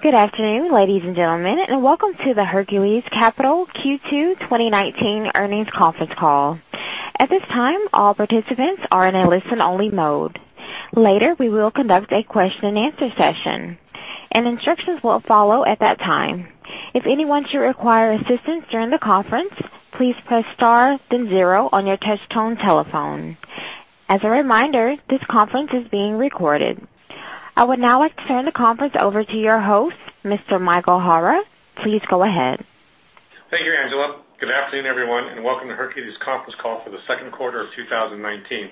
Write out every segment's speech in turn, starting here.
Good afternoon, ladies and gentlemen, and welcome to the Hercules Capital Q2 2019 earnings conference call. At this time, all participants are in a listen-only mode. Later, we will conduct a question and answer session, and instructions will follow at that time. If anyone should require assistance during the conference, please press star then zero on your touch tone telephone. As a reminder, this conference is being recorded. I would now like to turn the conference over to your host, Mr. Michael Hara. Please go ahead. Thank you, Angela. Good afternoon, everyone, and welcome to Hercules conference call for the second quarter of 2019.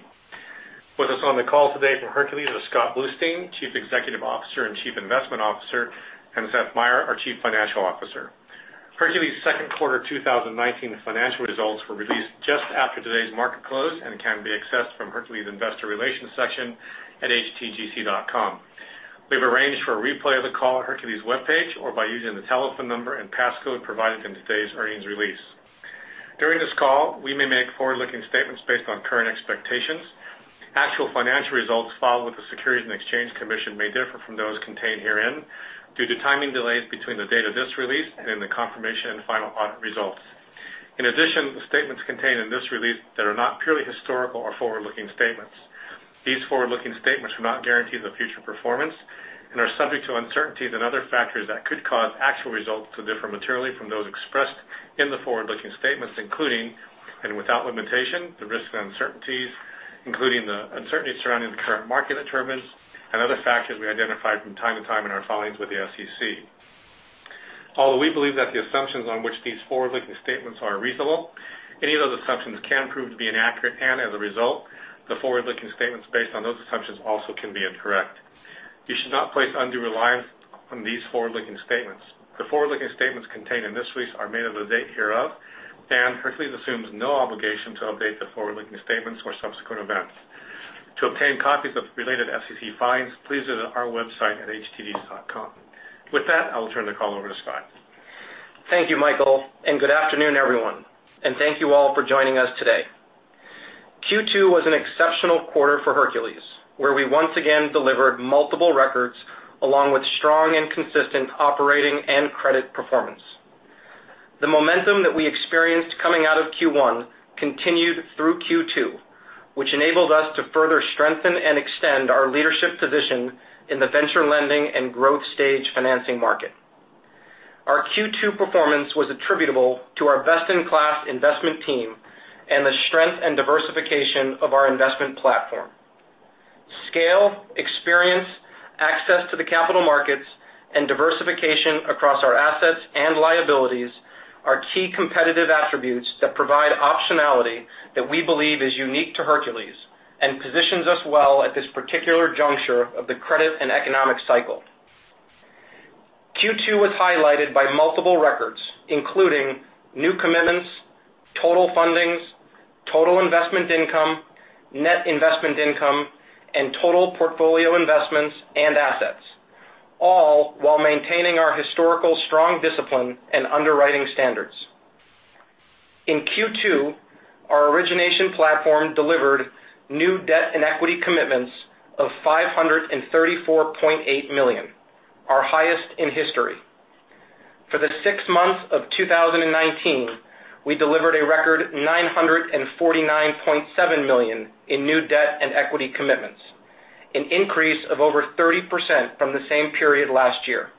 With us on the call today from Hercules is Scott Bluestein, Chief Executive Officer and Chief Investment Officer, and Seth Meyer, our Chief Financial Officer. Hercules second quarter 2019 financial results were released just after today's market close and can be accessed from Hercules investor relations section at htgc.com. We've arranged for a replay of the call on Hercules webpage or by using the telephone number and passcode provided in today's earnings release. During this call, we may make forward-looking statements based on current expectations. Actual financial results filed with the Securities and Exchange Commission may differ from those contained herein due to timing delays between the date of this release and the confirmation and final audit results. In addition, the statements contained in this release that are not purely historical are forward-looking statements. These forward-looking statements do not guarantee the future performance and are subject to uncertainties and other factors that could cause actual results to differ materially from those expressed in the forward-looking statements, including, and without limitation, the risks and uncertainties, including the uncertainty surrounding the current market determines and other factors we identify from time to time in our filings with the SEC. Although we believe that the assumptions on which these forward-looking statements are reasonable, any of those assumptions can prove to be inaccurate, and as a result, the forward-looking statements based on those assumptions also can be incorrect. You should not place undue reliance on these forward-looking statements. The forward-looking statements contained in this release are made of the date hereof, and Hercules assumes no obligation to update the forward-looking statements or subsequent events. To obtain copies of related SEC filings, please visit our website at htgc.com. With that, I will turn the call over to Scott. Thank you, Michael, good afternoon, everyone. Thank you all for joining us today. Q2 was an exceptional quarter for Hercules, where we once again delivered multiple records along with strong and consistent operating and credit performance. The momentum that we experienced coming out of Q1 continued through Q2, which enabled us to further strengthen and extend our leadership position in the venture lending and growth stage financing market. Our Q2 performance was attributable to our best-in-class investment team and the strength and diversification of our investment platform. Scale, experience, access to the capital markets, and diversification across our assets and liabilities are key competitive attributes that provide optionality that we believe is unique to Hercules and positions us well at this particular juncture of the credit and economic cycle. Q2 was highlighted by multiple records, including new commitments, total fundings, Total Investment Income, Net Investment Income, and total portfolio investments and assets, all while maintaining our historical strong discipline and underwriting standards. In Q2, our origination platform delivered new debt and equity commitments of $534.8 million, our highest in history. For the six months of 2019, we delivered a record $949.7 million in new debt and equity commitments, an increase of over 30% from the same period last year.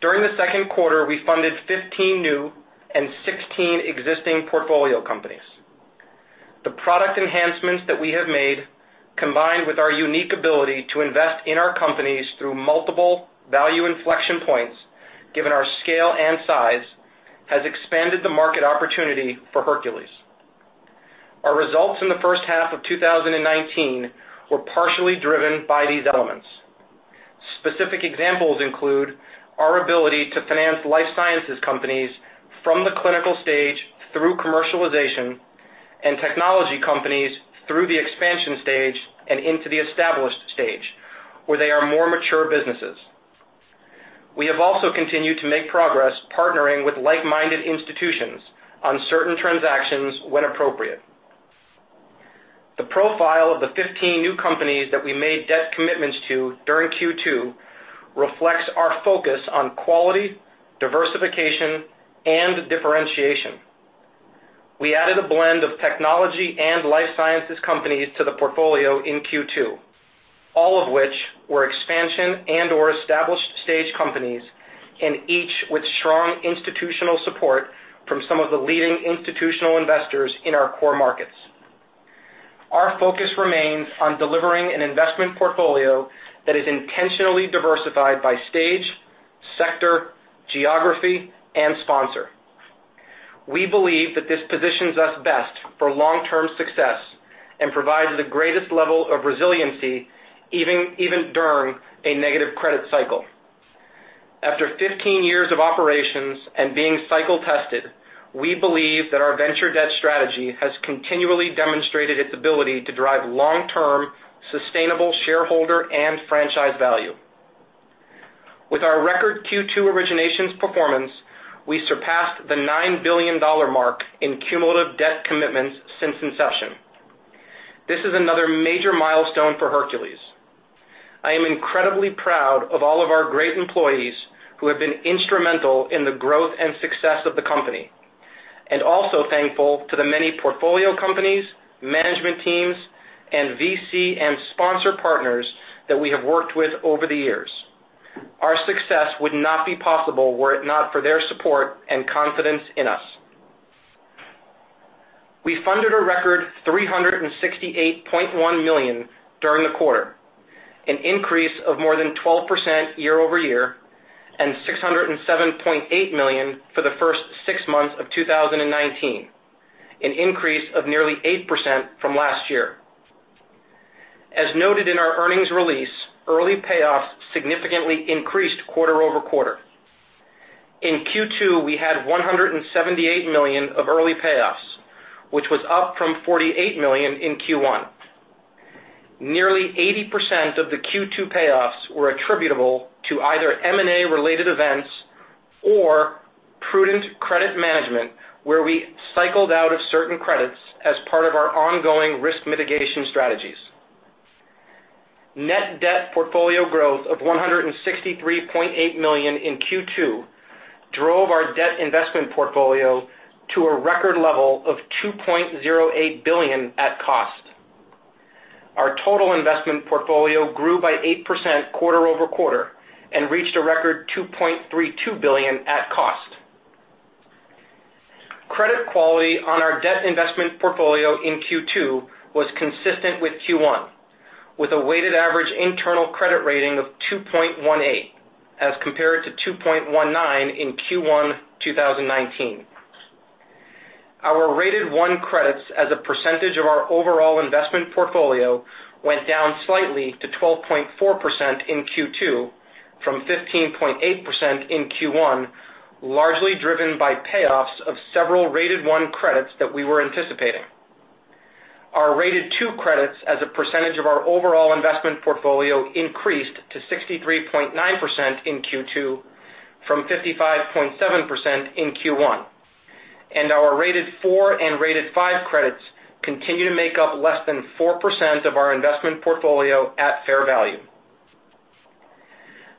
During the second quarter, we funded 15 new and 16 existing portfolio companies. The product enhancements that we have made, combined with our unique ability to invest in our companies through multiple value inflection points, given our scale and size, has expanded the market opportunity for Hercules. Our results in the first half of 2019 were partially driven by these elements. Specific examples include our ability to finance life sciences companies from the clinical stage through commercialization and technology companies through the expansion stage and into the established stage, where they are more mature businesses. We have also continued to make progress partnering with like-minded institutions on certain transactions when appropriate. The profile of the 15 new companies that we made debt commitments to during Q2 reflects our focus on quality, diversification, and differentiation. We added a blend of technology and life sciences companies to the portfolio in Q2, all of which were expansion and/or established stage companies, and each with strong institutional support from some of the leading institutional investors in our core markets. Our focus remains on delivering an investment portfolio that is intentionally diversified by stage, sector, geography, and sponsor. We believe that this positions us best for long-term success and provides the greatest level of resiliency, even during a negative credit cycle. After 15 years of operations and being cycle-tested, we believe that our venture debt strategy has continually demonstrated its ability to drive long-term, sustainable shareholder and franchise value. With our record Q2 originations performance, we surpassed the $9 billion mark in cumulative debt commitments since inception. This is another major milestone for Hercules. I am incredibly proud of all of our great employees who have been instrumental in the growth and success of the company, and also thankful to the many portfolio companies, management teams, and VC and sponsor partners that we have worked with over the years. Our success would not be possible were it not for their support and confidence in us. We funded a record $368.1 million during the quarter, an increase of more than 12% year-over-year, and $607.8 million for the first six months of 2019, an increase of nearly 8% from last year. As noted in our earnings release, early payoffs significantly increased quarter-over-quarter. In Q2, we had $178 million of early payoffs, which was up from $48 million in Q1. Nearly 80% of the Q2 payoffs were attributable to either M&A-related events or prudent credit management, where we cycled out of certain credits as part of our ongoing risk mitigation strategies. Net debt portfolio growth of $163.8 million in Q2 drove our debt investment portfolio to a record level of $2.08 billion at cost. Our total investment portfolio grew by 8% quarter-over-quarter and reached a record $2.32 billion at cost. Credit quality on our debt investment portfolio in Q2 was consistent with Q1, with a weighted average internal credit rating of 2.18 as compared to 2.19 in Q1 2019. Our Rated 1 credits as a percentage of our overall investment portfolio went down slightly to 12.4% in Q2 from 15.8% in Q1, largely driven by payoffs of several Rated 1 credits that we were anticipating. Our Rated 2 credits as a percentage of our overall investment portfolio increased to 63.9% in Q2 from 55.7% in Q1. Our Rated 4 and Rated 5 credits continue to make up less than 4% of our investment portfolio at fair value.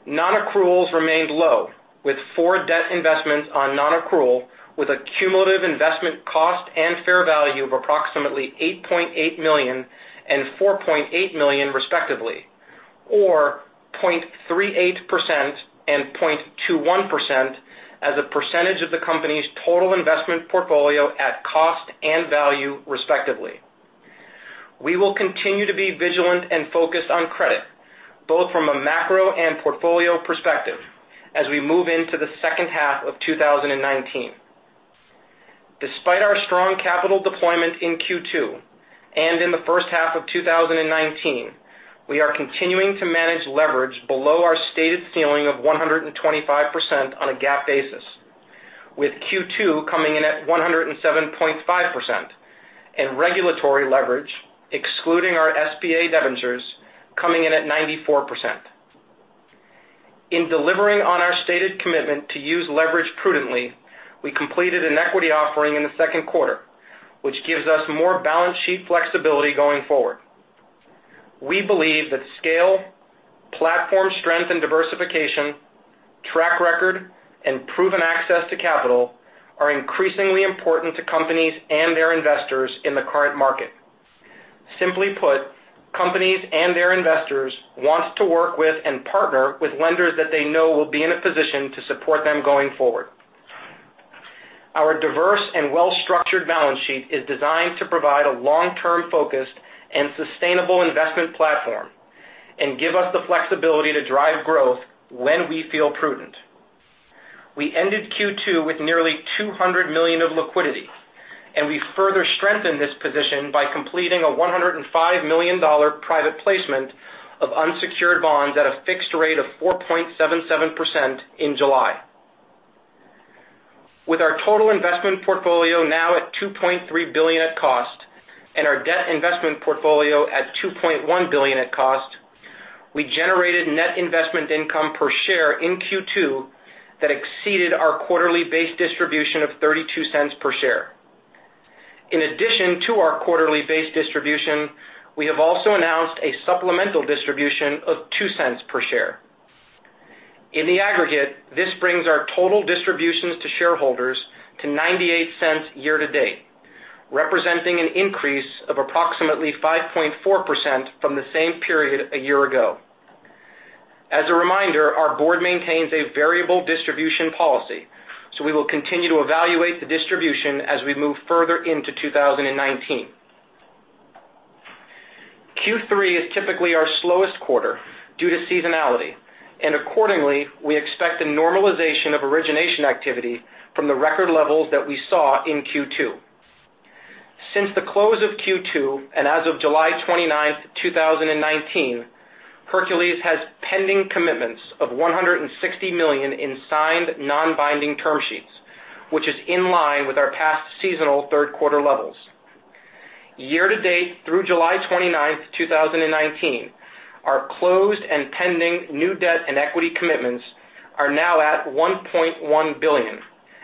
Non-accruals remained low, with four debt investments on non-accrual, with a cumulative investment cost and fair value of approximately $8.8 million and $4.8 million respectively, or 0.38% and 0.21% as a percentage of the company's total investment portfolio at cost and value, respectively. We will continue to be vigilant and focused on credit, both from a macro and portfolio perspective, as we move into the second half of 2019. Despite our strong capital deployment in Q2 and in the first half of 2019, we are continuing to manage leverage below our stated ceiling of 125% on a GAAP basis, with Q2 coming in at 107.5%, and regulatory leverage, excluding our SBA debentures, coming in at 94%. In delivering on our stated commitment to use leverage prudently, we completed an equity offering in the second quarter, which gives us more balance sheet flexibility going forward. We believe that scale, platform strength and diversification, track record, and proven access to capital are increasingly important to companies and their investors in the current market. Simply put, companies and their investors want to work with and partner with lenders that they know will be in a position to support them going forward. Our diverse and well-structured balance sheet is designed to provide a long-term focus and sustainable investment platform and give us the flexibility to drive growth when we feel prudent. We ended Q2 with nearly $200 million of liquidity, and we further strengthened this position by completing a $105 million private placement of unsecured bonds at a fixed rate of 4.77% in July. With our total investment portfolio now at $2.3 billion at cost and our debt investment portfolio at $2.1 billion at cost, we generated net investment income per share in Q2 that exceeded our quarterly base distribution of $0.32 per share. In addition to our quarterly base distribution, we have also announced a supplemental distribution of $0.02 per share. In the aggregate, this brings our total distributions to shareholders to $0.98 year to date, representing an increase of approximately 5.4% from the same period a year ago. As a reminder, our board maintains a variable distribution policy, so we will continue to evaluate the distribution as we move further into 2019. Q3 is typically our slowest quarter due to seasonality, and accordingly, we expect a normalization of origination activity from the record levels that we saw in Q2. Since the close of Q2 and as of July 29th, 2019, Hercules has pending commitments of $160 million in signed non-binding term sheets, which is in line with our past seasonal third quarter levels. Year to date through July 29th, 2019. Our closed and pending new debt and equity commitments are now at $1.1 billion,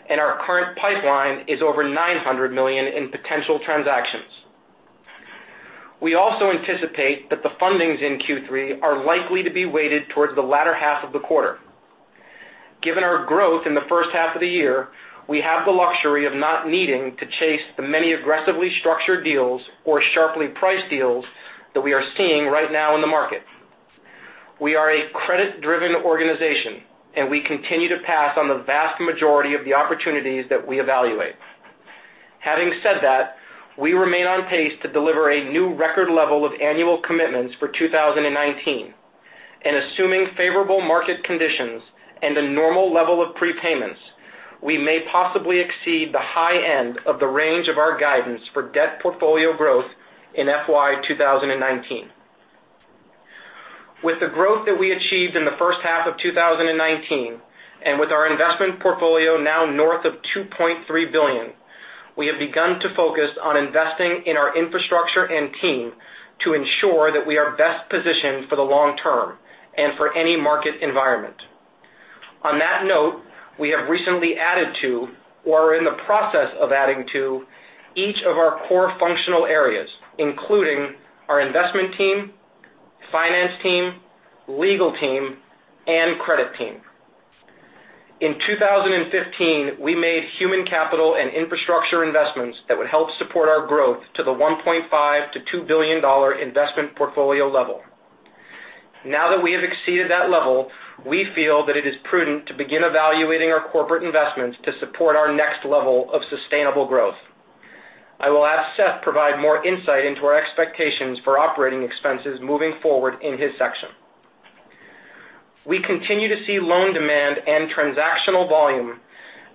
and our current pipeline is over $900 million in potential transactions. We also anticipate that the fundings in Q3 are likely to be weighted towards the latter half of the quarter. Given our growth in the first half of the year, we have the luxury of not needing to chase the many aggressively structured deals or sharply priced deals that we are seeing right now in the market. We are a credit-driven organization, and we continue to pass on the vast majority of the opportunities that we evaluate. We remain on pace to deliver a new record level of annual commitments for 2019. Assuming favorable market conditions and a normal level of prepayments, we may possibly exceed the high end of the range of our guidance for debt portfolio growth in FY 2019. With the growth that we achieved in the first half of 2019, and with our investment portfolio now north of $2.3 billion, we have begun to focus on investing in our infrastructure and team to ensure that we are best positioned for the long term and for any market environment. We have recently added to or are in the process of adding to each of our core functional areas, including our investment team, finance team, legal team, and credit team. In 2015, we made human capital and infrastructure investments that would help support our growth to the $1.5 billion-$2 billion investment portfolio level. Now that we have exceeded that level, we feel that it is prudent to begin evaluating our corporate investments to support our next level of sustainable growth. I will ask Seth to provide more insight into our expectations for operating expenses moving forward in his section. We continue to see loan demand and transactional volume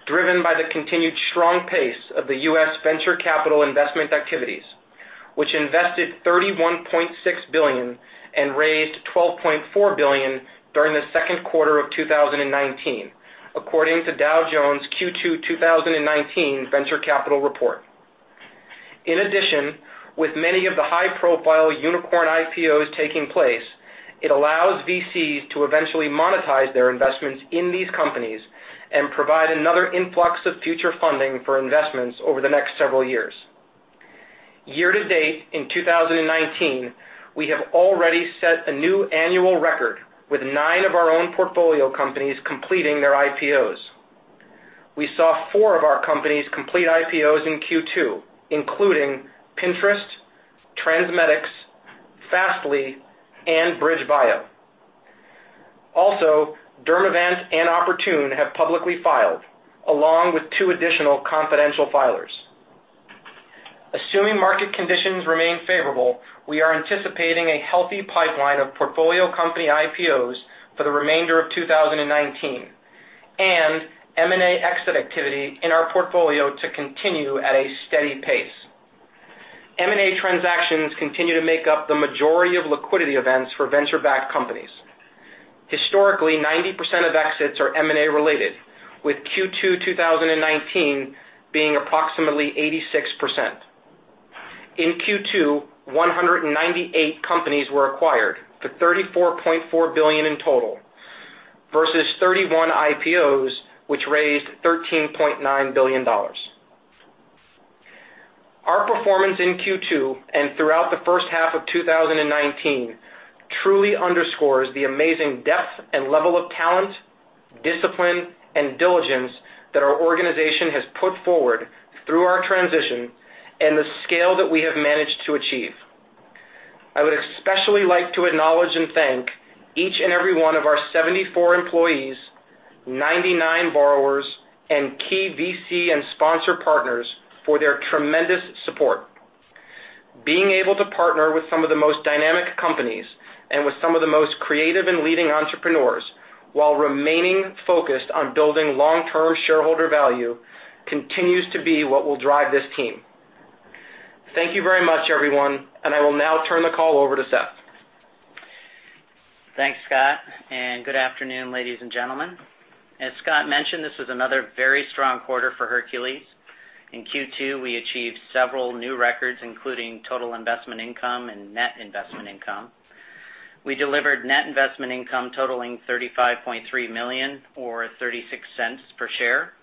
driven by the continued strong pace of the U.S. venture capital investment activities, which invested $31.6 billion and raised $12.4 billion during the second quarter of 2019, according to Dow Jones' Q2 2019 Venture Capital Report. With many of the high-profile unicorn IPOs taking place, it allows VCs to eventually monetize their investments in these companies and provide another influx of future funding for investments over the next several years. Year to date in 2019, we have already set a new annual record with nine of our own portfolio companies completing their IPOs. We saw four of our companies complete IPOs in Q2, including Pinterest, TransMedics, Fastly, and BridgeBio. Dermavant and Oportun have publicly filed, along with two additional confidential filers. Assuming market conditions remain favorable, we are anticipating a healthy pipeline of portfolio company IPOs for the remainder of 2019 and M&A exit activity in our portfolio to continue at a steady pace. M&A transactions continue to make up the majority of liquidity events for venture-backed companies. Historically, 90% of exits are M&A-related, with Q2 2019 being approximately 86%. In Q2, 198 companies were acquired for $34.4 billion in total, versus 31 IPOs, which raised $13.9 billion. Our performance in Q2 and throughout the first half of 2019 truly underscores the amazing depth and level of talent, discipline, and diligence that our organization has put forward through our transition and the scale that we have managed to achieve. I would especially like to acknowledge and thank each and every one of our 74 employees, 99 borrowers, and key VC and sponsor partners for their tremendous support. Being able to partner with some of the most dynamic companies and with some of the most creative and leading entrepreneurs while remaining focused on building long-term shareholder value continues to be what will drive this team. Thank you very much, everyone, and I will now turn the call over to Seth. Thanks, Scott. Good afternoon, ladies and gentlemen. As Scott mentioned, this was another very strong quarter for Hercules. In Q2, we achieved several new records, including total investment income and net investment income. We delivered net investment income totaling $35.3 million or $0.36 per share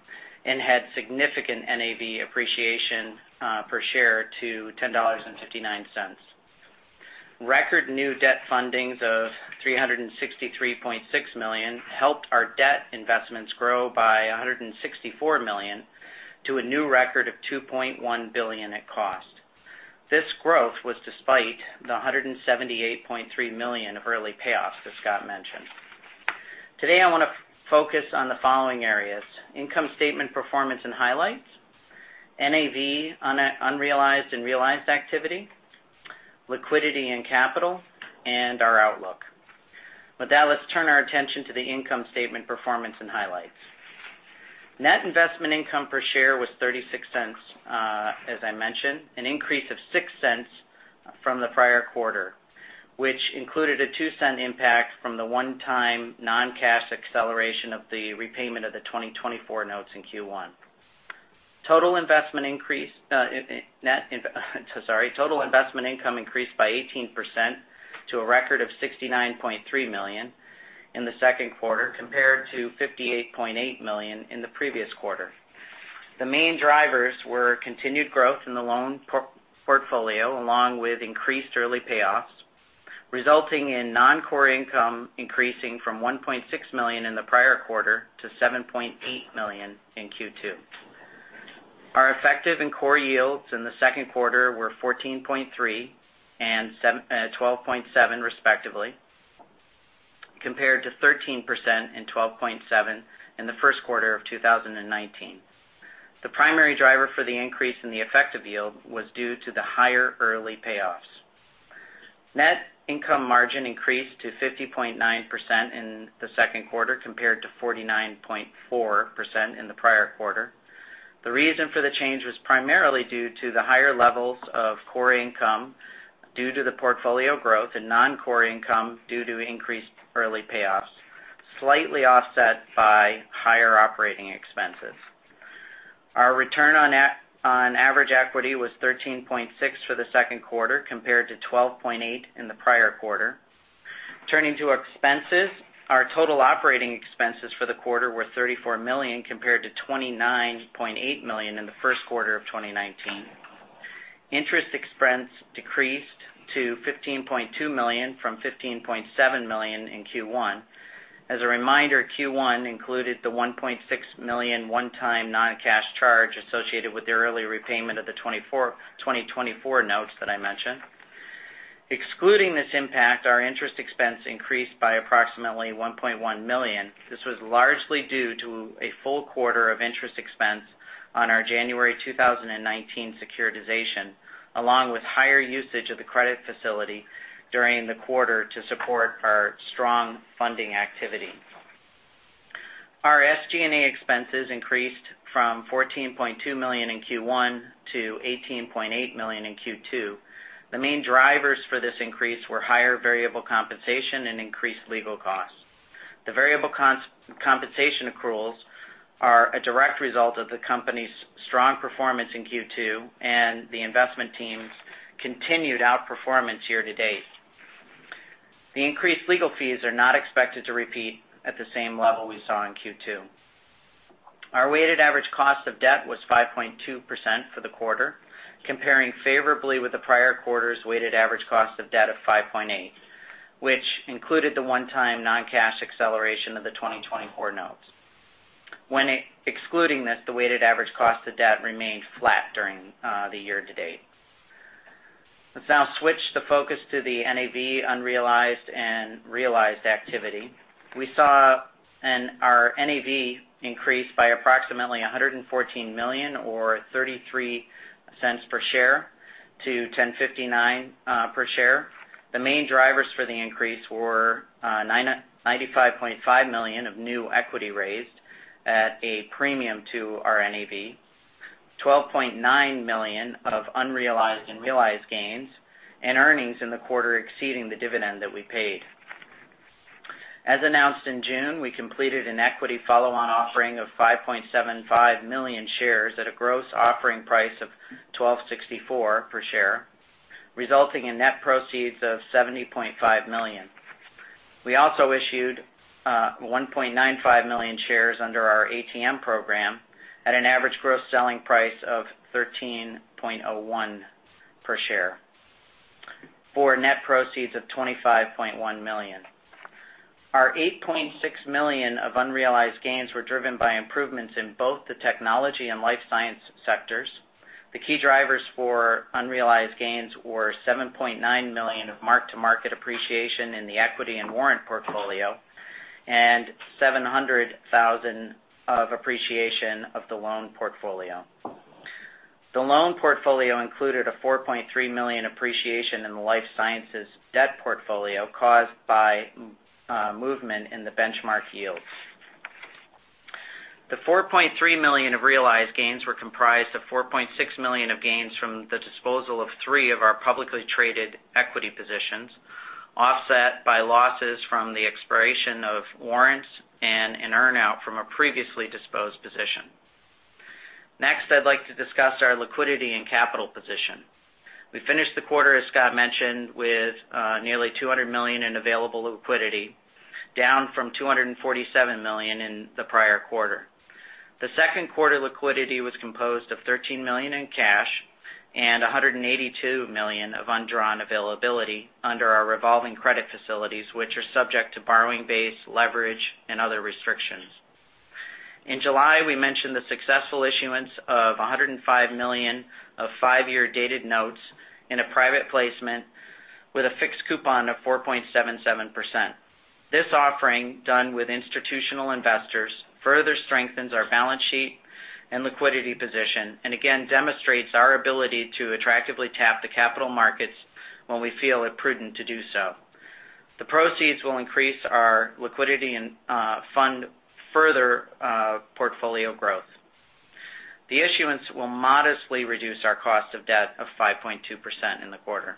and had significant NAV appreciation per share to $10.59. Record new debt fundings of $363.6 million helped our debt investments grow by $164 million to a new record of $2.1 billion at cost. This growth was despite the $178.3 million of early payoffs that Scott mentioned. Today, I want to focus on the following areas: income statement performance and highlights, NAV unrealized and realized activity, liquidity and capital, and our outlook. With that, let's turn our attention to the income statement performance and highlights. Net investment income per share was $0.36, as I mentioned, an increase of $0.06 from the prior quarter, which included a $0.02 impact from the one-time non-cash acceleration of the repayment of the 2024 notes in Q1. Total investment income increased by 18% to a record of $69.3 million in the second quarter, compared to $58.8 million in the previous quarter. The main drivers were continued growth in the loan portfolio, along with increased early payoffs, resulting in non-core income increasing from $1.6 million in the prior quarter to $7.8 million in Q2. Our effective and core yields in the second quarter were 14.3% and 12.7% respectively, compared to 13% and 12.7% in the first quarter of 2019. The primary driver for the increase in the effective yield was due to the higher early payoffs. Net income margin increased to 50.9% in the second quarter, compared to 49.4% in the prior quarter. The reason for the change was primarily due to the higher levels of core income due to the portfolio growth and non-core income due to increased early payoffs, slightly offset by higher operating expenses. Our return on average equity was 13.6% for the second quarter, compared to 12.8% in the prior quarter. Turning to expenses. Our total operating expenses for the quarter were $34 million, compared to $29.8 million in the first quarter of 2019. Interest expense decreased to $15.2 million from $15.7 million in Q1. As a reminder, Q1 included the $1.6 million one-time non-cash charge associated with the early repayment of the 2024 notes that I mentioned. Excluding this impact, our interest expense increased by approximately $1.1 million. This was largely due to a full quarter of interest expense on our January 2019 securitization, along with higher usage of the credit facility during the quarter to support our strong funding activity. Our SG&A expenses increased from $14.2 million in Q1 to $18.8 million in Q2. The main drivers for this increase were higher variable compensation and increased legal costs. The variable compensation accruals are a direct result of the company's strong performance in Q2 and the investment team's continued outperformance year to date. The increased legal fees are not expected to repeat at the same level we saw in Q2. Our weighted average cost of debt was 5.2% for the quarter, comparing favorably with the prior quarter's weighted average cost of debt of 5.8%, which included the one-time non-cash acceleration of the 2024 notes. When excluding this, the weighted average cost of debt remained flat during the year to date. Let's now switch the focus to the NAV unrealized and realized activity. We saw our NAV increase by approximately $114 million or $0.33 per share to $10.59 per share. The main drivers for the increase were $95.5 million of new equity raised at a premium to our NAV, $12.9 million of unrealized and realized gains, and earnings in the quarter exceeding the dividend that we paid. As announced in June, we completed an equity follow-on offering of 5.75 million shares at a gross offering price of $12.64 per share, resulting in net proceeds of $70.5 million. We also issued 1.95 million shares under our ATM program at an average gross selling price of $13.01 per share for net proceeds of $25.1 million. Our $8.6 million of unrealized gains were driven by improvements in both the technology and life science sectors. The key drivers for unrealized gains were $7.9 million of mark-to-market appreciation in the equity and warrant portfolio and $700,000 of appreciation of the loan portfolio. The loan portfolio included a $4.3 million appreciation in the life sciences debt portfolio caused by movement in the benchmark yields. The $4.3 million of realized gains were comprised of $4.6 million of gains from the disposal of three of our publicly traded equity positions, offset by losses from the expiration of warrants and an earn-out from a previously disposed position. Next, I'd like to discuss our liquidity and capital position. We finished the quarter, as Scott mentioned, with nearly $200 million in available liquidity, down from $247 million in the prior quarter. The second quarter liquidity was composed of $13 million in cash and $182 million of undrawn availability under our revolving credit facilities, which are subject to borrowing base, leverage, and other restrictions. In July, we mentioned the successful issuance of $105 million of five-year dated notes in a private placement with a fixed coupon of 4.77%. This offering, done with institutional investors, further strengthens our balance sheet and liquidity position, again, demonstrates our ability to attractively tap the capital markets when we feel it prudent to do so. The proceeds will increase our liquidity and fund further portfolio growth. The issuance will modestly reduce our cost of debt of 5.2% in the quarter.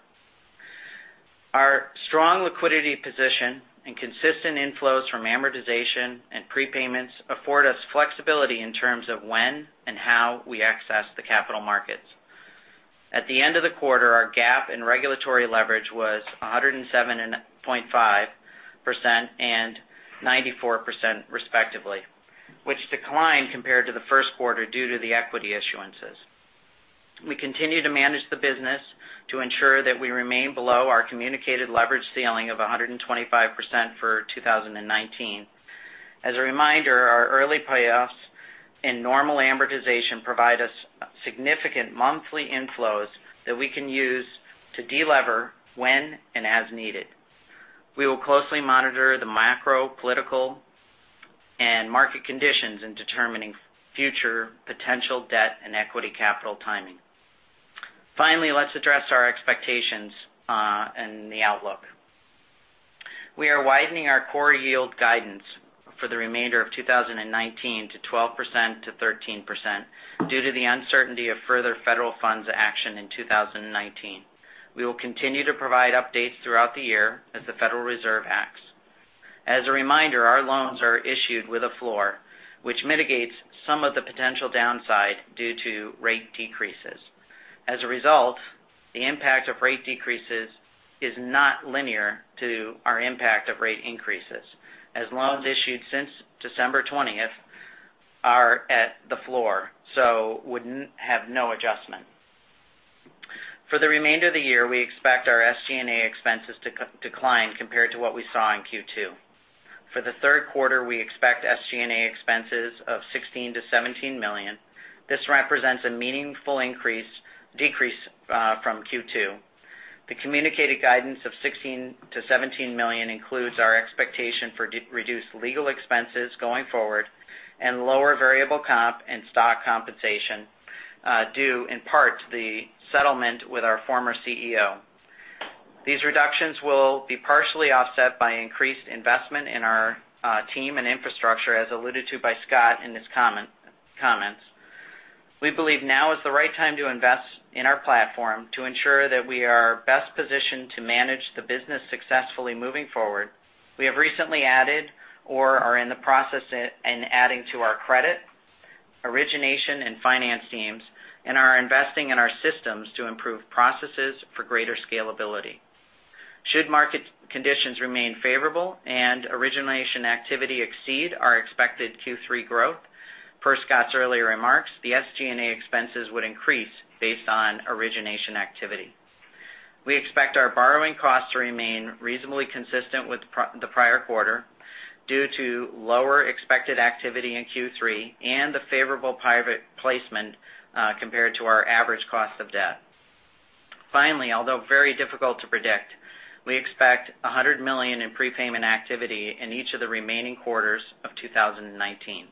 Our strong liquidity position and consistent inflows from amortization and prepayments afford us flexibility in terms of when and how we access the capital markets. At the end of the quarter, our GAAP and regulatory leverage was 107.5% and 94% respectively, which declined compared to the first quarter due to the equity issuances. We continue to manage the business to ensure that we remain below our communicated leverage ceiling of 125% for 2019. As a reminder, our early payoffs and normal amortization provide us significant monthly inflows that we can use to de-lever when and as needed. We will closely monitor the macro political and market conditions in determining future potential debt and equity capital timing. Let's address our expectations, and the outlook. We are widening our core yield guidance for the remainder of 2019 to 12%-13% due to the uncertainty of further federal funds action in 2019. We will continue to provide updates throughout the year as the Federal Reserve acts. As a reminder, our loans are issued with a floor, which mitigates some of the potential downside due to rate decreases. As a result, the impact of rate decreases is not linear to our impact of rate increases, as loans issued since December 20th are at the floor, so would have no adjustment. For the remainder of the year, we expect our SG&A expenses to decline compared to what we saw in Q2. For the third quarter, we expect SG&A expenses of $16 million-$17 million. This represents a meaningful decrease from Q2. The communicated guidance of $16 million-$17 million includes our expectation for reduced legal expenses going forward and lower variable comp and stock compensation due in part to the settlement with our former CEO. These reductions will be partially offset by increased investment in our team and infrastructure, as alluded to by Scott in his comments. We believe now is the right time to invest in our platform to ensure that we are best positioned to manage the business successfully moving forward. We have recently added or are in the process in adding to our credit, origination, and finance teams and are investing in our systems to improve processes for greater scalability. Should market conditions remain favorable and origination activity exceed our expected Q3 growth, per Scott's earlier remarks, the SG&A expenses would increase based on origination activity. We expect our borrowing costs to remain reasonably consistent with the prior quarter due to lower expected activity in Q3 and the favorable private placement, compared to our average cost of debt. Finally, although very difficult to predict, we expect $100 million in prepayment activity in each of the remaining quarters of 2019.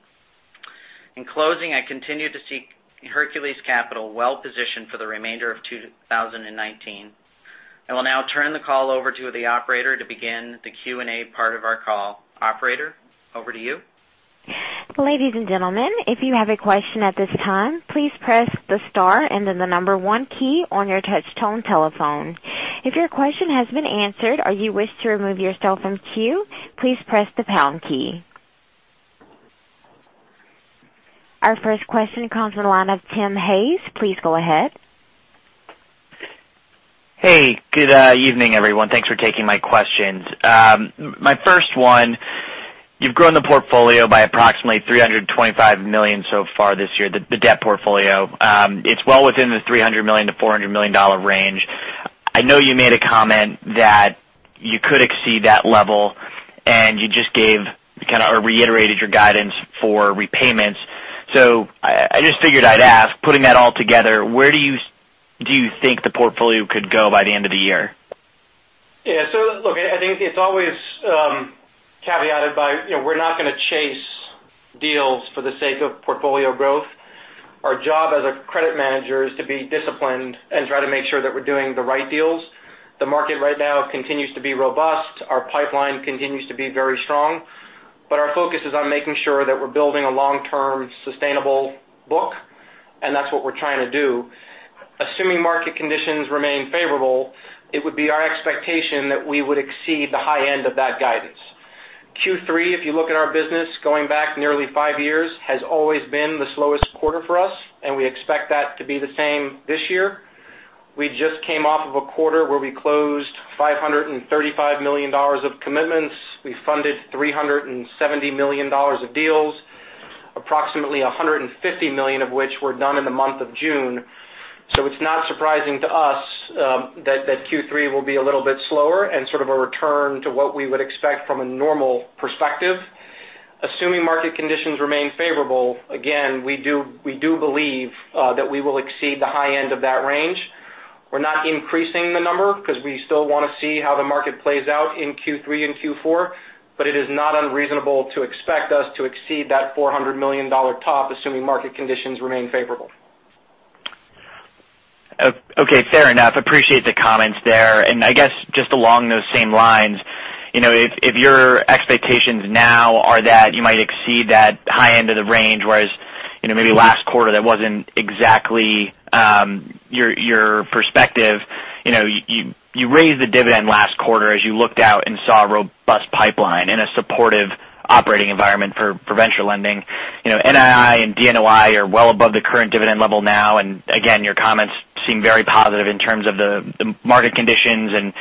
In closing, I continue to see Hercules Capital well-positioned for the remainder of 2019. I will now turn the call over to the operator to begin the Q&A part of our call. Operator, over to you. Ladies and gentlemen, if you have a question at this time, please press the star and then the number one key on your touch-tone telephone. If your question has been answered or you wish to remove yourself from queue, please press the pound key. Our first question comes from the line of Tim Hayes. Please go ahead. Hey, good evening, everyone. Thanks for taking my questions. My first one, you've grown the portfolio by approximately $325 million so far this year, the debt portfolio. It's well within the $300 million to $400 million range. I know you made a comment that you could exceed that level, and you just gave kind of, or reiterated your guidance for repayments. I just figured I'd ask, putting that all together, where do you think the portfolio could go by the end of the year? Yeah. Look, I think it's always caveated by we're not going to chase deals for the sake of portfolio growth. Our job as a credit manager is to be disciplined and try to make sure that we're doing the right deals. The market right now continues to be robust. Our pipeline continues to be very strong, but our focus is on making sure that we're building a long-term sustainable book, and that's what we're trying to do. Assuming market conditions remain favorable, it would be our expectation that we would exceed the high end of that guidance. Q3, if you look at our business going back nearly five years, has always been the slowest quarter for us, and we expect that to be the same this year. We just came off of a quarter where we closed $535 million of commitments. We funded $370 million of deals, approximately $150 million of which were done in the month of June. It's not surprising to us that Q3 will be a little bit slower and sort of a return to what we would expect from a normal perspective. Assuming market conditions remain favorable, again, we do believe that we will exceed the high end of that range. We're not increasing the number because we still want to see how the market plays out in Q3 and Q4. It is not unreasonable to expect us to exceed that $400 million top, assuming market conditions remain favorable. Okay, fair enough. Appreciate the comments there. I guess just along those same lines. If your expectations now are that you might exceed that high end of the range, whereas maybe last quarter that wasn't exactly your perspective. You raised the dividend last quarter as you looked out and saw a robust pipeline and a supportive operating environment for venture lending. NII and DNOI are well above the current dividend level now, and again, your comments seem very positive in terms of the market conditions and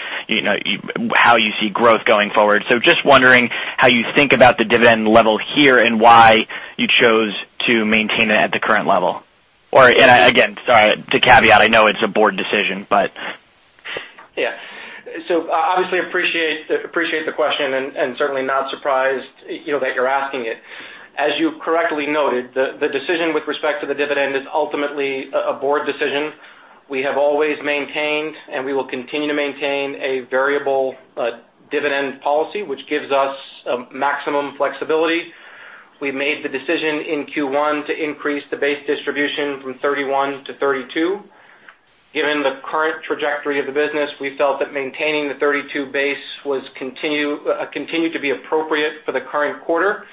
how you see growth going forward. Just wondering how you think about the dividend level here and why you chose to maintain it at the current level. Again, sorry to caveat, I know it's a board decision, but. Yeah. Obviously appreciate the question and certainly not surprised that you're asking it. As you correctly noted, the decision with respect to the dividend is ultimately a board decision. We have always maintained, and we will continue to maintain a variable dividend policy which gives us maximum flexibility. We made the decision in Q1 to increase the base distribution from 31 to 32. Given the current trajectory of the business, we felt that maintaining the 32 base continued to be appropriate for the current quarter.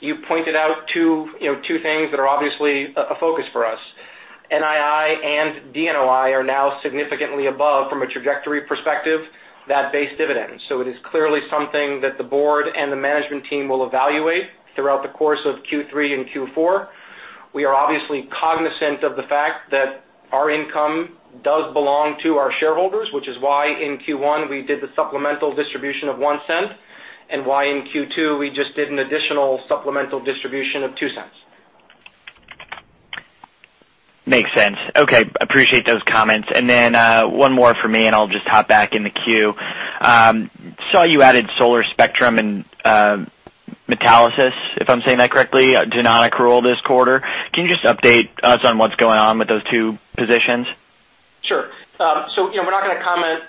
You pointed out two things that are obviously a focus for us. NII and DNOI are now significantly above, from a trajectory perspective, that base dividend. It is clearly something that the board and the management team will evaluate throughout the course of Q3 and Q4. We are obviously cognizant of the fact that our income does belong to our shareholders, which is why in Q1 we did the supplemental distribution of $0.01, and why in Q2 we just did an additional supplemental distribution of $0.02. Makes sense. Okay. Appreciate those comments. One more from me, and I'll just hop back in the queue. Saw you added Solar Spectrum and Metalysis, if I'm saying that correctly, to non-accrual this quarter. Can you just update us on what's going on with those two positions? Sure. We're not going to comment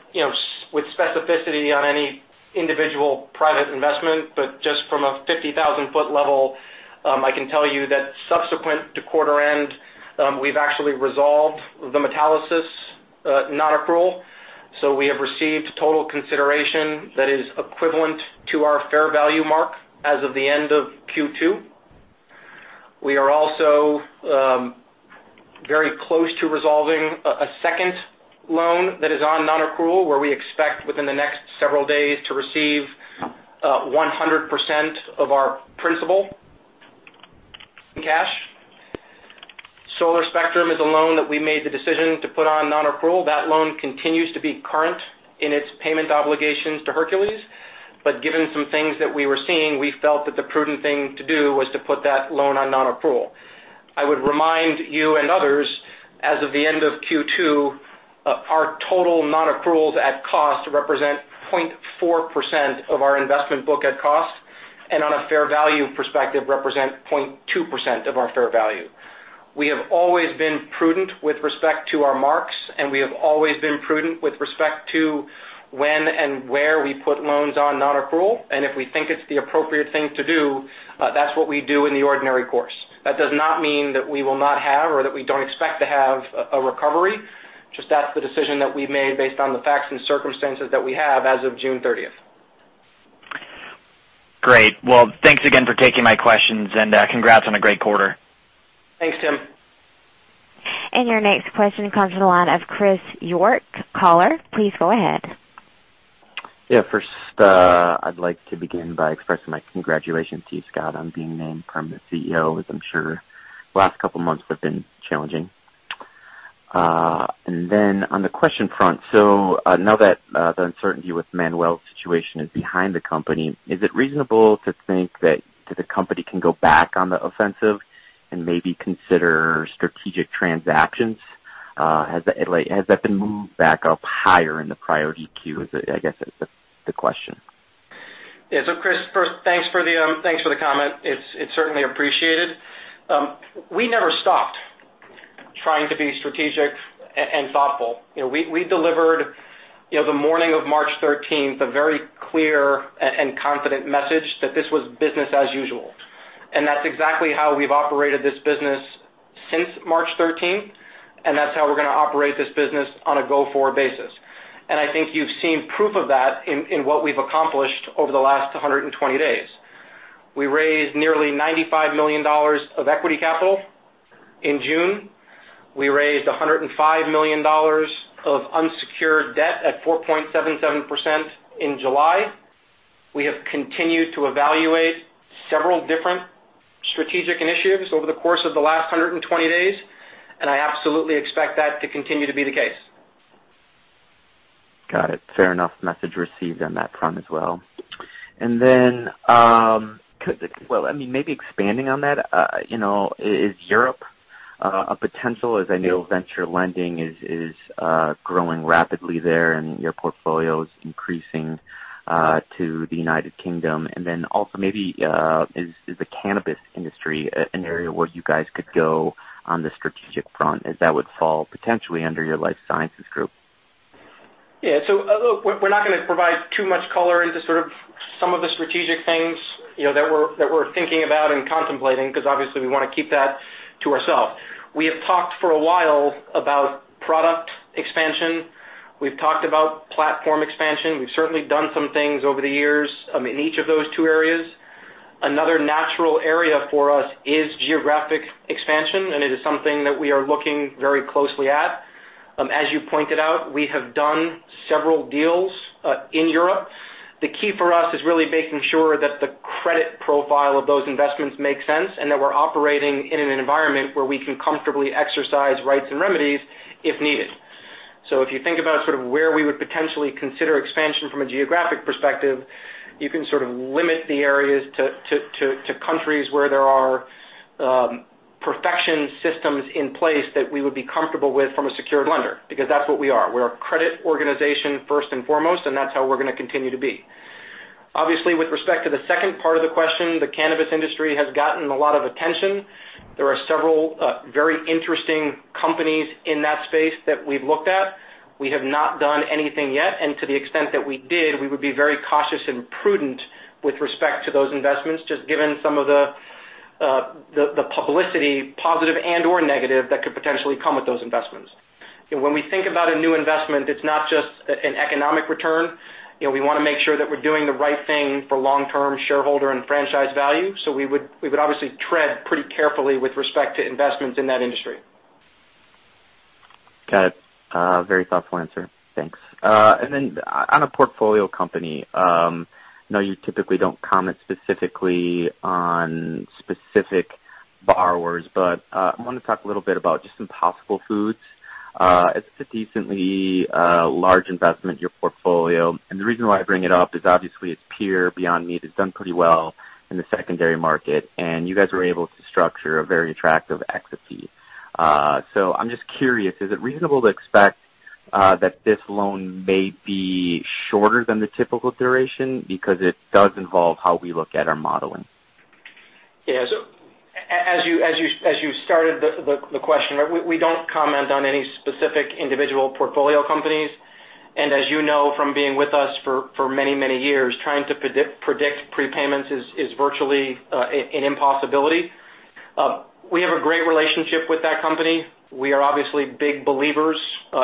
with specificity on any individual private investment. Just from a 50,000-foot level, I can tell you that subsequent to quarter end, we've actually resolved the Metalysis non-accrual. We have received total consideration that is equivalent to our fair value mark as of the end of Q2. We are also very close to resolving a second loan that is on non-accrual, where we expect within the next several days to receive 100% of our principal in cash. Solar Spectrum is a loan that we made the decision to put on non-accrual. That loan continues to be current in its payment obligations to Hercules, but given some things that we were seeing, we felt that the prudent thing to do was to put that loan on non-accrual. I would remind you and others, as of the end of Q2, our total non-accruals at cost represent 0.4% of our investment book at cost, and on a fair value perspective, represent 0.2% of our fair value. We have always been prudent with respect to our marks, and we have always been prudent with respect to when and where we put loans on non-accrual. If we think it's the appropriate thing to do, that's what we do in the ordinary course. That does not mean that we will not have or that we don't expect to have a recovery. Just that's the decision that we've made based on the facts and circumstances that we have as of June 30th. Great. Well, thanks again for taking my questions and congrats on a great quarter. Thanks, Tim. Your next question comes from the line of Chris York. Caller, please go ahead. Yeah. First, I'd like to begin by expressing my congratulations to you, Scott, on being named permanent CEO, as I'm sure the last couple of months have been challenging. On the question front. Now that the uncertainty with Manuel's situation is behind the company, is it reasonable to think that the company can go back on the offensive and maybe consider strategic transactions? Has that been moved back up higher in the priority queue, I guess is the question. Yeah. Chris, first, thanks for the comment. It's certainly appreciated. We never stopped trying to be strategic and thoughtful. We delivered the morning of March 13th, a very clear and confident message that this was business as usual. That's exactly how we've operated this business since March 13th, and that's how we're going to operate this business on a go-forward basis. I think you've seen proof of that in what we've accomplished over the last 120 days. We raised nearly $95 million of equity capital in June. We raised $105 million of unsecured debt at 4.77% in July. We have continued to evaluate several different strategic initiatives over the course of the last 120 days, and I absolutely expect that to continue to be the case. Got it. Fair enough. Message received on that front as well. Well maybe expanding on that. Is Europe a potential? As I know venture lending is growing rapidly there, and your portfolio is increasing to the United Kingdom. Also maybe, is the cannabis industry an area where you guys could go on the strategic front as that would fall potentially under your life sciences group? Yeah. look, we're not going to provide too much color into sort of some of the strategic things that we're thinking about and contemplating because obviously we want to keep that to ourselves. We have talked for a while about product expansion. We've talked about platform expansion. We've certainly done some things over the years in each of those two areas. Another natural area for us is geographic expansion, and it is something that we are looking very closely at. As you pointed out, we have done several deals in Europe. The key for us is really making sure that the credit profile of those investments makes sense, and that we're operating in an environment where we can comfortably exercise rights and remedies if needed. If you think about sort of where we would potentially consider expansion from a geographic perspective, you can sort of limit the areas to countries where there are perfection systems in place that we would be comfortable with from a secured lender. Because that's what we are. We're a credit organization first and foremost, and that's how we're going to continue to be. Obviously, with respect to the second part of the question, the cannabis industry has gotten a lot of attention. There are several very interesting companies in that space that we've looked at. We have not done anything yet, and to the extent that we did, we would be very cautious and prudent with respect to those investments, just given some of the publicity, positive and/or negative, that could potentially come with those investments. When we think about a new investment, it's not just an economic return. We want to make sure that we're doing the right thing for long-term shareholder and franchise value. we would obviously tread pretty carefully with respect to investments in that industry. Got it. Very thoughtful answer. Thanks. Then on a portfolio company, I know you typically don't comment specifically on specific borrowers, but, I want to talk a little bit about just Impossible Foods. It's a decently large investment in your portfolio. The reason why I bring it up is obviously its peer, Beyond Meat, has done pretty well in the secondary market, and you guys were able to structure a very attractive exit fee. I'm just curious, is it reasonable to expect that this loan may be shorter than the typical duration? Because it does involve how we look at our modeling. Yeah. As you started the question, we don't comment on any specific individual portfolio companies. As you know from being with us for many, many years, trying to predict prepayments is virtually an impossibility. We have a great relationship with that company. We are obviously big believers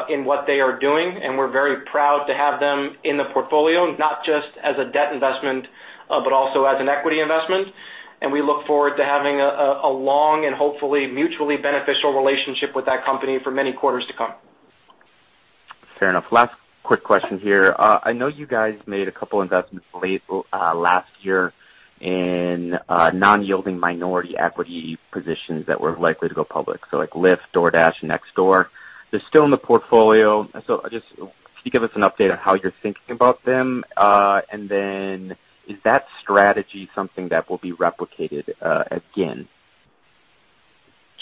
in what they are doing, and we're very proud to have them in the portfolio, not just as a debt investment, but also as an equity investment. We look forward to having a long and hopefully mutually beneficial relationship with that company for many quarters to come. Fair enough. Last quick question here. I know you guys made a couple investments late last year in non-yielding minority equity positions that were likely to go public. like Lyft, DoorDash, Nextdoor. They're still in the portfolio. just can you give us an update on how you're thinking about them? then is that strategy something that will be replicated again?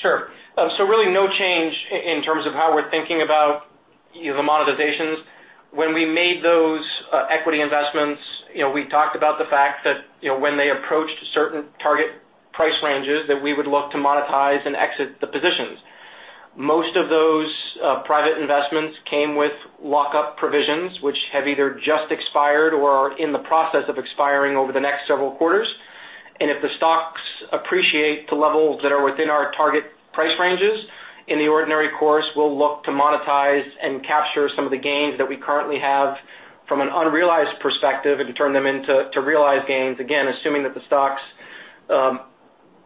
Sure. Really no change in terms of how we're thinking about the monetizations. When we made those equity investments, we talked about the fact that when they approached certain target price ranges, that we would look to monetize and exit the positions. Most of those private investments came with lockup provisions, which have either just expired or are in the process of expiring over the next several quarters. If the stocks appreciate to levels that are within our target price ranges, in the ordinary course, we'll look to monetize and capture some of the gains that we currently have from an unrealized perspective and turn them into realized gains, again, assuming that the stocks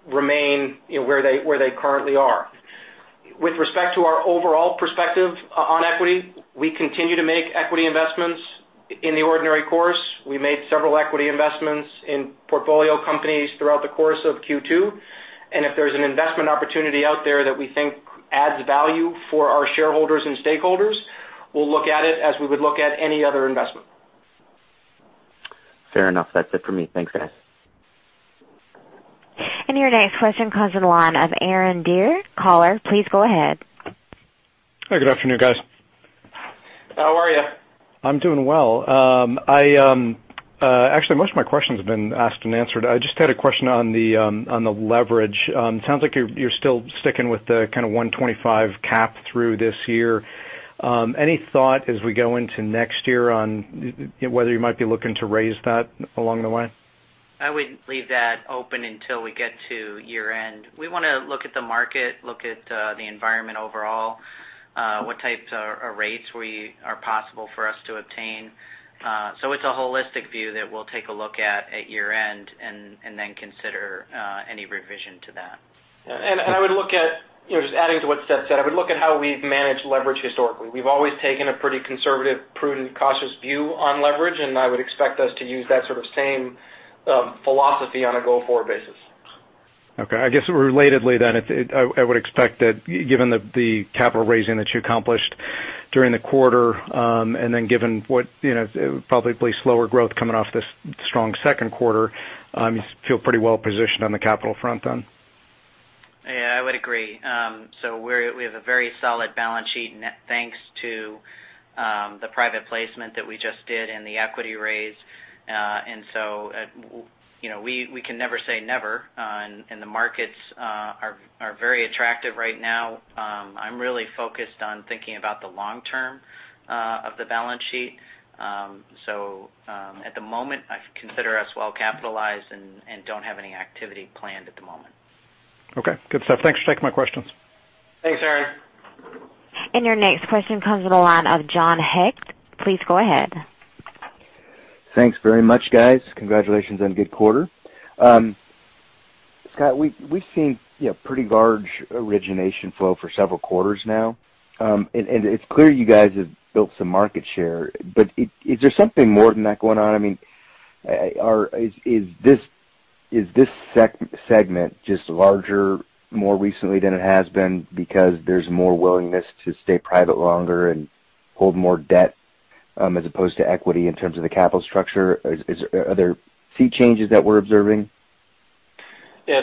remain where they currently are. With respect to our overall perspective on equity, we continue to make equity investments in the ordinary course. We made several equity investments in portfolio companies throughout the course of Q2. If there's an investment opportunity out there that we think adds value for our shareholders and stakeholders, we'll look at it as we would look at any other investment. Fair enough. That's it for me. Thanks, guys. Your next question comes in line of Aaron Dear. Caller, please go ahead. Hi, good afternoon, guys. How are you? I'm doing well. Actually, most of my questions have been asked and answered. I just had a question on the leverage. It sounds like you're still sticking with the kind of 125 cap through this year. Any thought as we go into next year on whether you might be looking to raise that along the way? I would leave that open until we get to year end. We want to look at the market, look at the environment overall, what types of rates are possible for us to obtain. It's a holistic view that we'll take a look at year end and then consider any revision to that. I would look at, just adding to what Seth said, I would look at how we've managed leverage historically. We've always taken a pretty conservative, prudent, cautious view on leverage, and I would expect us to use that sort of same philosophy on a go-forward basis. Okay. I guess relatedly then, I would expect that given the capital raising that you accomplished during the quarter, and then given what probably slower growth coming off this strong second quarter, you feel pretty well positioned on the capital front then? Yeah, I would agree. We have a very solid balance sheet thanks to the private placement that we just did and the equity raise. We can never say never. The markets are very attractive right now. I'm really focused on thinking about the long term of the balance sheet. At the moment, I consider us well capitalized and don't have any activity planned at the moment. Okay. Good stuff. Thanks for taking my questions. Thanks, Aaron. Your next question comes to the line of John Hecht. Please go ahead. Thanks very much, guys. Congratulations on a good quarter. Scott, we've seen pretty large origination flow for several quarters now. it's clear you guys have built some market share, but is there something more than that going on? Is this segment just larger more recently than it has been because there's more willingness to stay private longer and hold more debt, as opposed to equity in terms of the capital structure? Are there fee changes that we're observing? Yeah.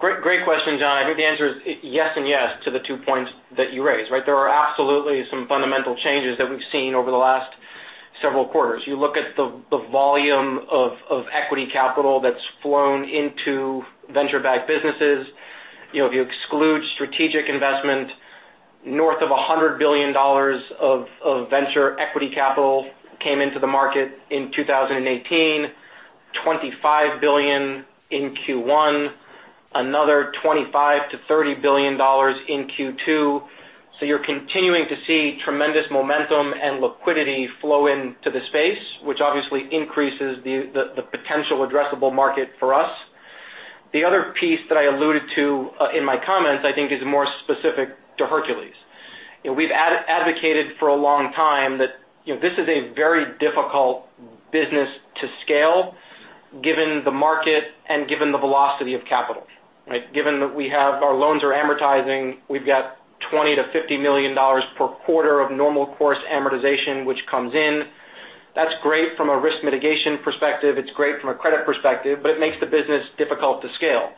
Great question, John. I think the answer is yes and yes to the two points that you raised, right? There are absolutely some fundamental changes that we've seen over the last several quarters. You look at the volume of equity capital that's flown into venture-backed businesses. If you exclude strategic investment, north of $100 billion of venture equity capital came into the market in 2018, $25 billion in Q1, another $25 to $30 billion in Q2. You're continuing to see tremendous momentum and liquidity flow into the space, which obviously increases the potential addressable market for us. The other piece that I alluded to in my comments, I think, is more specific to Hercules. We've advocated for a long time that this is a very difficult business to scale given the market and given the velocity of capital. Given that our loans are amortizing, we've got $20 to $50 million per quarter of normal course amortization, which comes in. That's great from a risk mitigation perspective. It's great from a credit perspective, but it makes the business difficult to scale.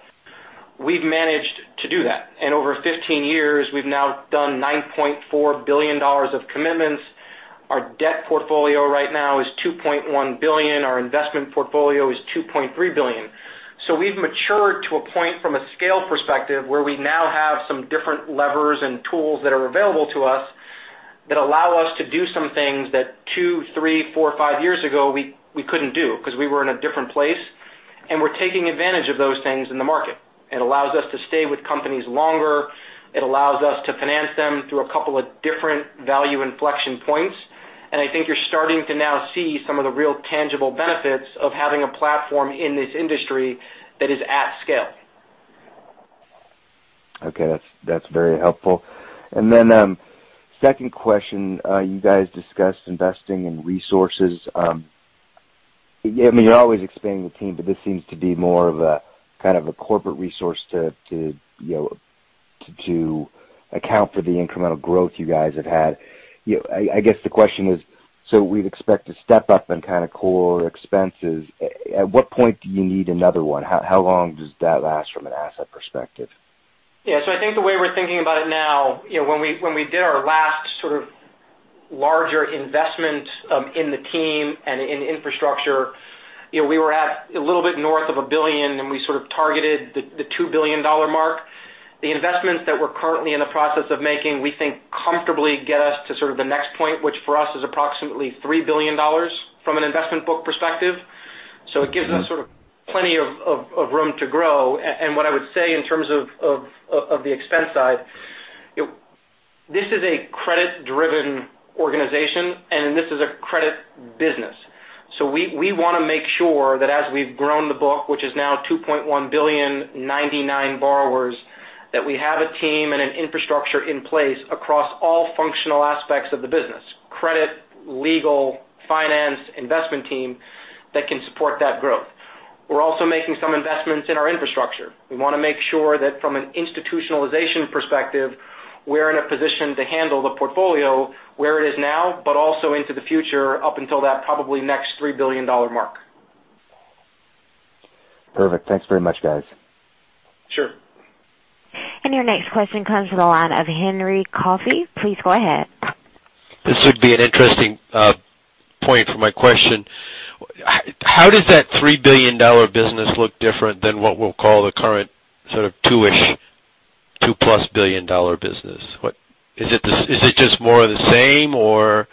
We've managed to do that. Over 15 years, we've now done $9.4 billion of commitments. Our debt portfolio right now is $2.1 billion. Our investment portfolio is $2.3 billion. We've matured to a point from a scale perspective where we now have some different levers and tools that are available to us that allow us to do some things that two, three, four, five years ago we couldn't do because we were in a different place. We're taking advantage of those things in the market. It allows us to stay with companies longer. It allows us to finance them through a couple of different value inflection points. I think you're starting to now see some of the real tangible benefits of having a platform in this industry that is at scale. Okay. That's very helpful. Second question. You guys discussed investing in resources. You're always expanding the team, but this seems to be more of a corporate resource to account for the incremental growth you guys have had. I guess the question is, so we'd expect to step up and kind of core expenses. At what point do you need another one? How long does that last from an asset perspective? Yeah. I think the way we're thinking about it now, when we did our last sort of larger investment in the team and in infrastructure, we were at a little bit north of 1 billion, and we sort of targeted the $2 billion mark. The investments that we're currently in the process of making, we think comfortably get us to sort of the next point, which for us is approximately $3 billion from an investment book perspective. It gives us sort of plenty of room to grow. What I would say in terms of the expense side, this is a credit-driven organization, and this is a credit business. We want to make sure that as we've grown the book, which is now $2.1 billion, 99 borrowers, that we have a team and an infrastructure in place across all functional aspects of the business, credit, legal, finance, investment team, that can support that growth. We're also making some investments in our infrastructure. We want to make sure that from an institutionalization perspective, we're in a position to handle the portfolio where it is now, but also into the future up until that probably next $3 billion mark. Perfect. Thanks very much, guys. Sure. Your next question comes to the line of Henry Coffey. Please go ahead. This should be an interesting point for my question. How does that $3 billion business look different than what we'll call the current sort of two-ish, $2 plus billion business? Is it just more of the same, or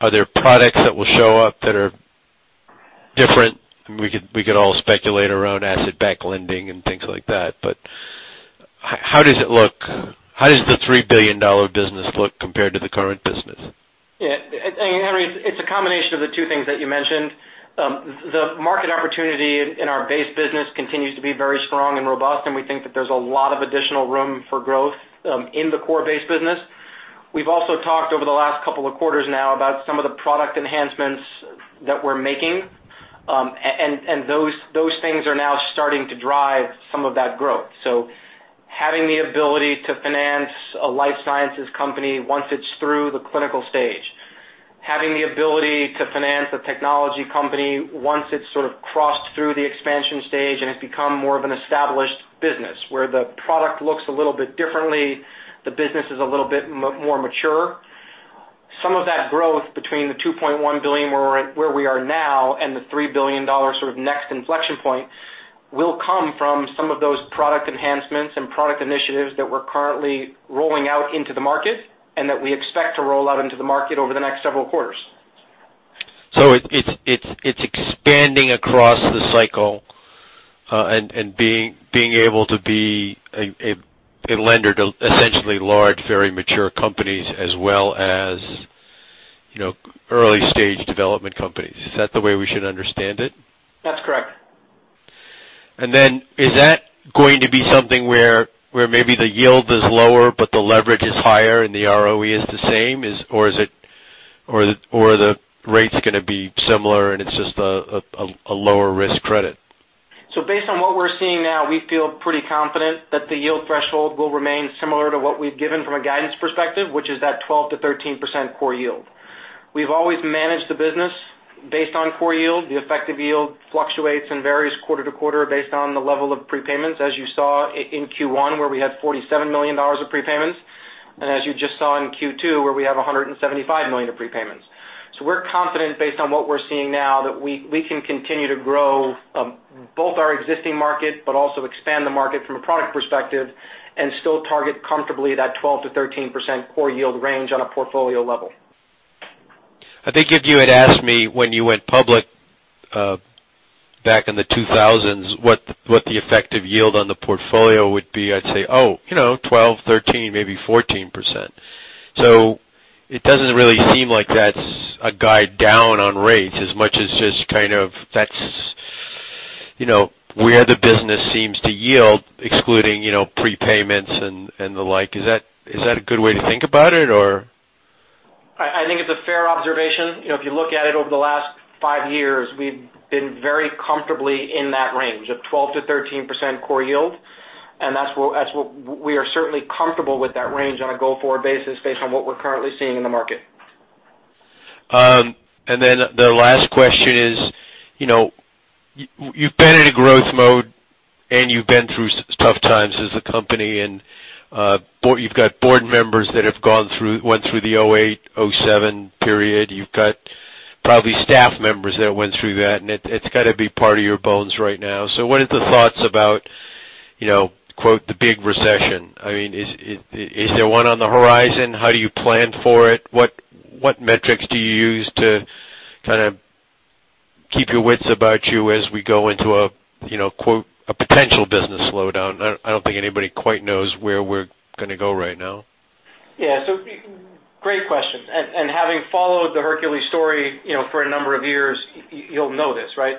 are there products that will show up that are different? We could all speculate around asset-backed lending and things like that, but how does it look? How does the $3 billion business look compared to the current business? Yeah. Henry, it's a combination of the two things that you mentioned. The market opportunity in our base business continues to be very strong and robust, and we think that there's a lot of additional room for growth in the core base business. We've also talked over the last couple of quarters now about some of the product enhancements that we're making. Those things are now starting to drive some of that growth. Having the ability to finance a life sciences company once it's through the clinical stage. Having the ability to finance a technology company once it's sort of crossed through the expansion stage and has become more of an established business where the product looks a little bit differently, the business is a little bit more mature. Some of that growth between the $2.1 billion where we are now and the $3 billion sort of next inflection point will come from some of those product enhancements and product initiatives that we're currently rolling out into the market and that we expect to roll out into the market over the next several quarters. it's expanding across the cycle, and being able to be a lender to essentially large, very mature companies as well as early stage development companies. Is that the way we should understand it? That's correct. is that going to be something where maybe the yield is lower but the leverage is higher and the ROE is the same? are the rates going to be similar and it's just a lower risk credit? based on what we're seeing now, we feel pretty confident that the yield threshold will remain similar to what we've given from a guidance perspective, which is that 12%-13% core yield. We've always managed the business based on core yield. The effective yield fluctuates and varies quarter to quarter based on the level of prepayments, as you saw in Q1 where we had $47 million of prepayments. as you just saw in Q2 where we have $175 million of prepayments. we're confident based on what we're seeing now, that we can continue to grow both our existing market but also expand the market from a product perspective and still target comfortably that 12%-13% core yield range on a portfolio level. I think if you had asked me when you went public back in the 2000s what the effective yield on the portfolio would be, I'd say, "Oh, 12, 13, maybe 14%." It doesn't really seem like that's a guide down on rates as much as just that's where the business seems to yield, excluding prepayments and the like. Is that a good way to think about it, or? I think it's a fair observation. If you look at it over the last five years, we've been very comfortably in that range of 12%-13% core yield, and we are certainly comfortable with that range on a go-forward basis based on what we're currently seeing in the market. The last question is, you've been in a growth mode and you've been through tough times as a company, and you've got board members that have went through the '08, '07 period. You've got probably staff members that went through that, and it's got to be part of your bones right now. What are the thoughts about, quote, the big recession? I mean, is there one on the horizon? How do you plan for it? What metrics do you use to kind of keep your wits about you as we go into, quote, a potential business slowdown? I don't think anybody quite knows where we're going to go right now. Yeah. Great question. Having followed the Hercules story for a number of years, you'll know this, right?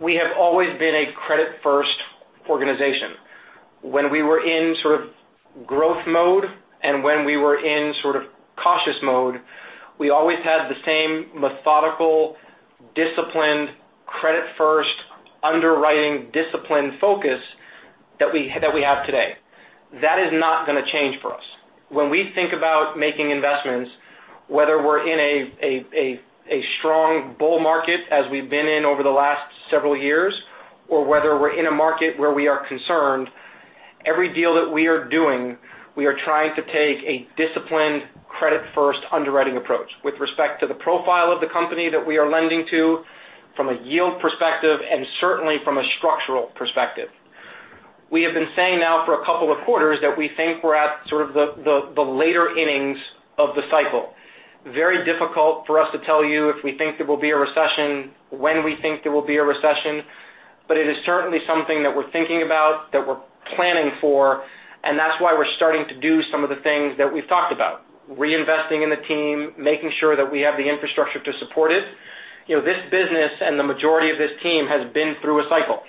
We have always been a credit-first organization. When we were in sort of growth mode and when we were in sort of cautious mode, we always had the same methodical, disciplined credit-first underwriting discipline focus that we have today. That is not going to change for us. When we think about making investments, whether we're in a strong bull market as we've been in over the last several years, or whether we're in a market where we are concerned, every deal that we are doing, we are trying to take a disciplined credit-first underwriting approach with respect to the profile of the company that we are lending to from a yield perspective and certainly from a structural perspective. We have been saying now for a couple of quarters that we think we're at sort of the later innings of the cycle. Very difficult for us to tell you if we think there will be a recession, when we think there will be a recession, but it is certainly something that we're thinking about, that we're planning for, and that's why we're starting to do some of the things that we've talked about, reinvesting in the team, making sure that we have the infrastructure to support it. This business and the majority of this team has been through a cycle,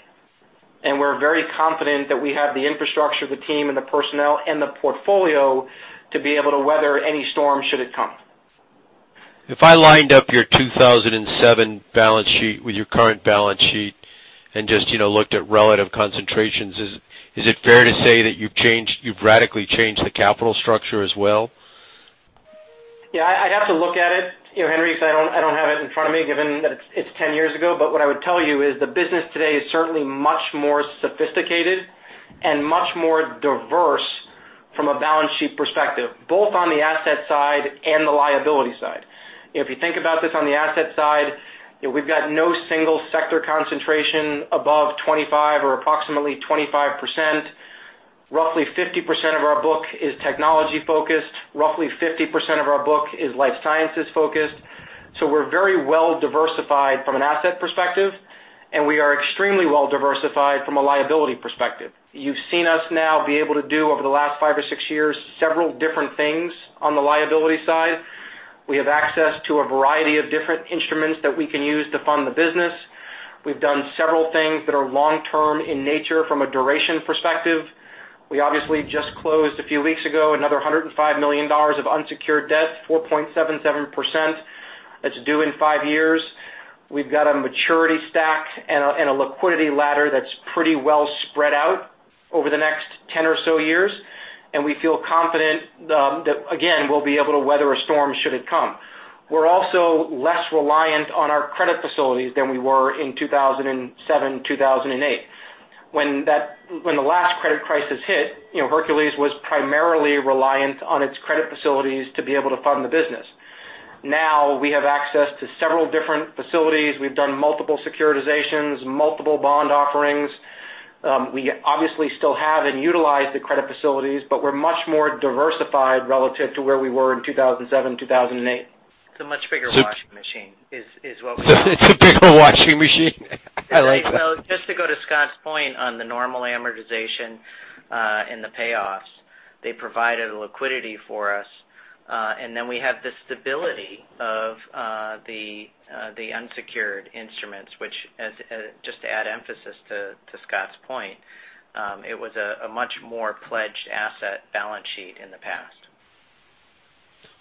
and we're very confident that we have the infrastructure, the team, and the personnel, and the portfolio to be able to weather any storm should it come. If I lined up your 2007 balance sheet with your current balance sheet and just looked at relative concentrations, is it fair to say that you've radically changed the capital structure as well? Yeah, I'd have to look at it, Henry, because I don't have it in front of me given that it's 10 years ago. What I would tell you is the business today is certainly much more sophisticated and much more diverse from a balance sheet perspective, both on the asset side and the liability side. If you think about this on the asset side, we've got no single sector concentration above 25 or approximately 25%. Roughly 50% of our book is technology focused. Roughly 50% of our book is life sciences focused. We're very well diversified from an asset perspective, and we are extremely well diversified from a liability perspective. You've seen us now be able to do over the last five or six years, several different things on the liability side. We have access to a variety of different instruments that we can use to fund the business. We've done several things that are long-term in nature from a duration perspective. We obviously just closed a few weeks ago, another $105 million of unsecured debt, 4.77%. That's due in five years. We've got a maturity stack and a liquidity ladder that's pretty well spread out over the next 10 or so years, and we feel confident that, again, we'll be able to weather a storm should it come. We're also less reliant on our credit facilities than we were in 2007, 2008. When the last credit crisis hit, Hercules was primarily reliant on its credit facilities to be able to fund the business. Now we have access to several different facilities. We've done multiple securitizations, multiple bond offerings. We obviously still have and utilize the credit facilities, but we're much more diversified relative to where we were in 2007, 2008. It's a much bigger washing machine, is what we have. It's a bigger washing machine. I like that. Just to go to Scott's point on the normal amortization, and the payoffs. They provided liquidity for us. We have the stability of the unsecured instruments, which, just to add emphasis to Scott's point, it was a much more pledged asset balance sheet in the past.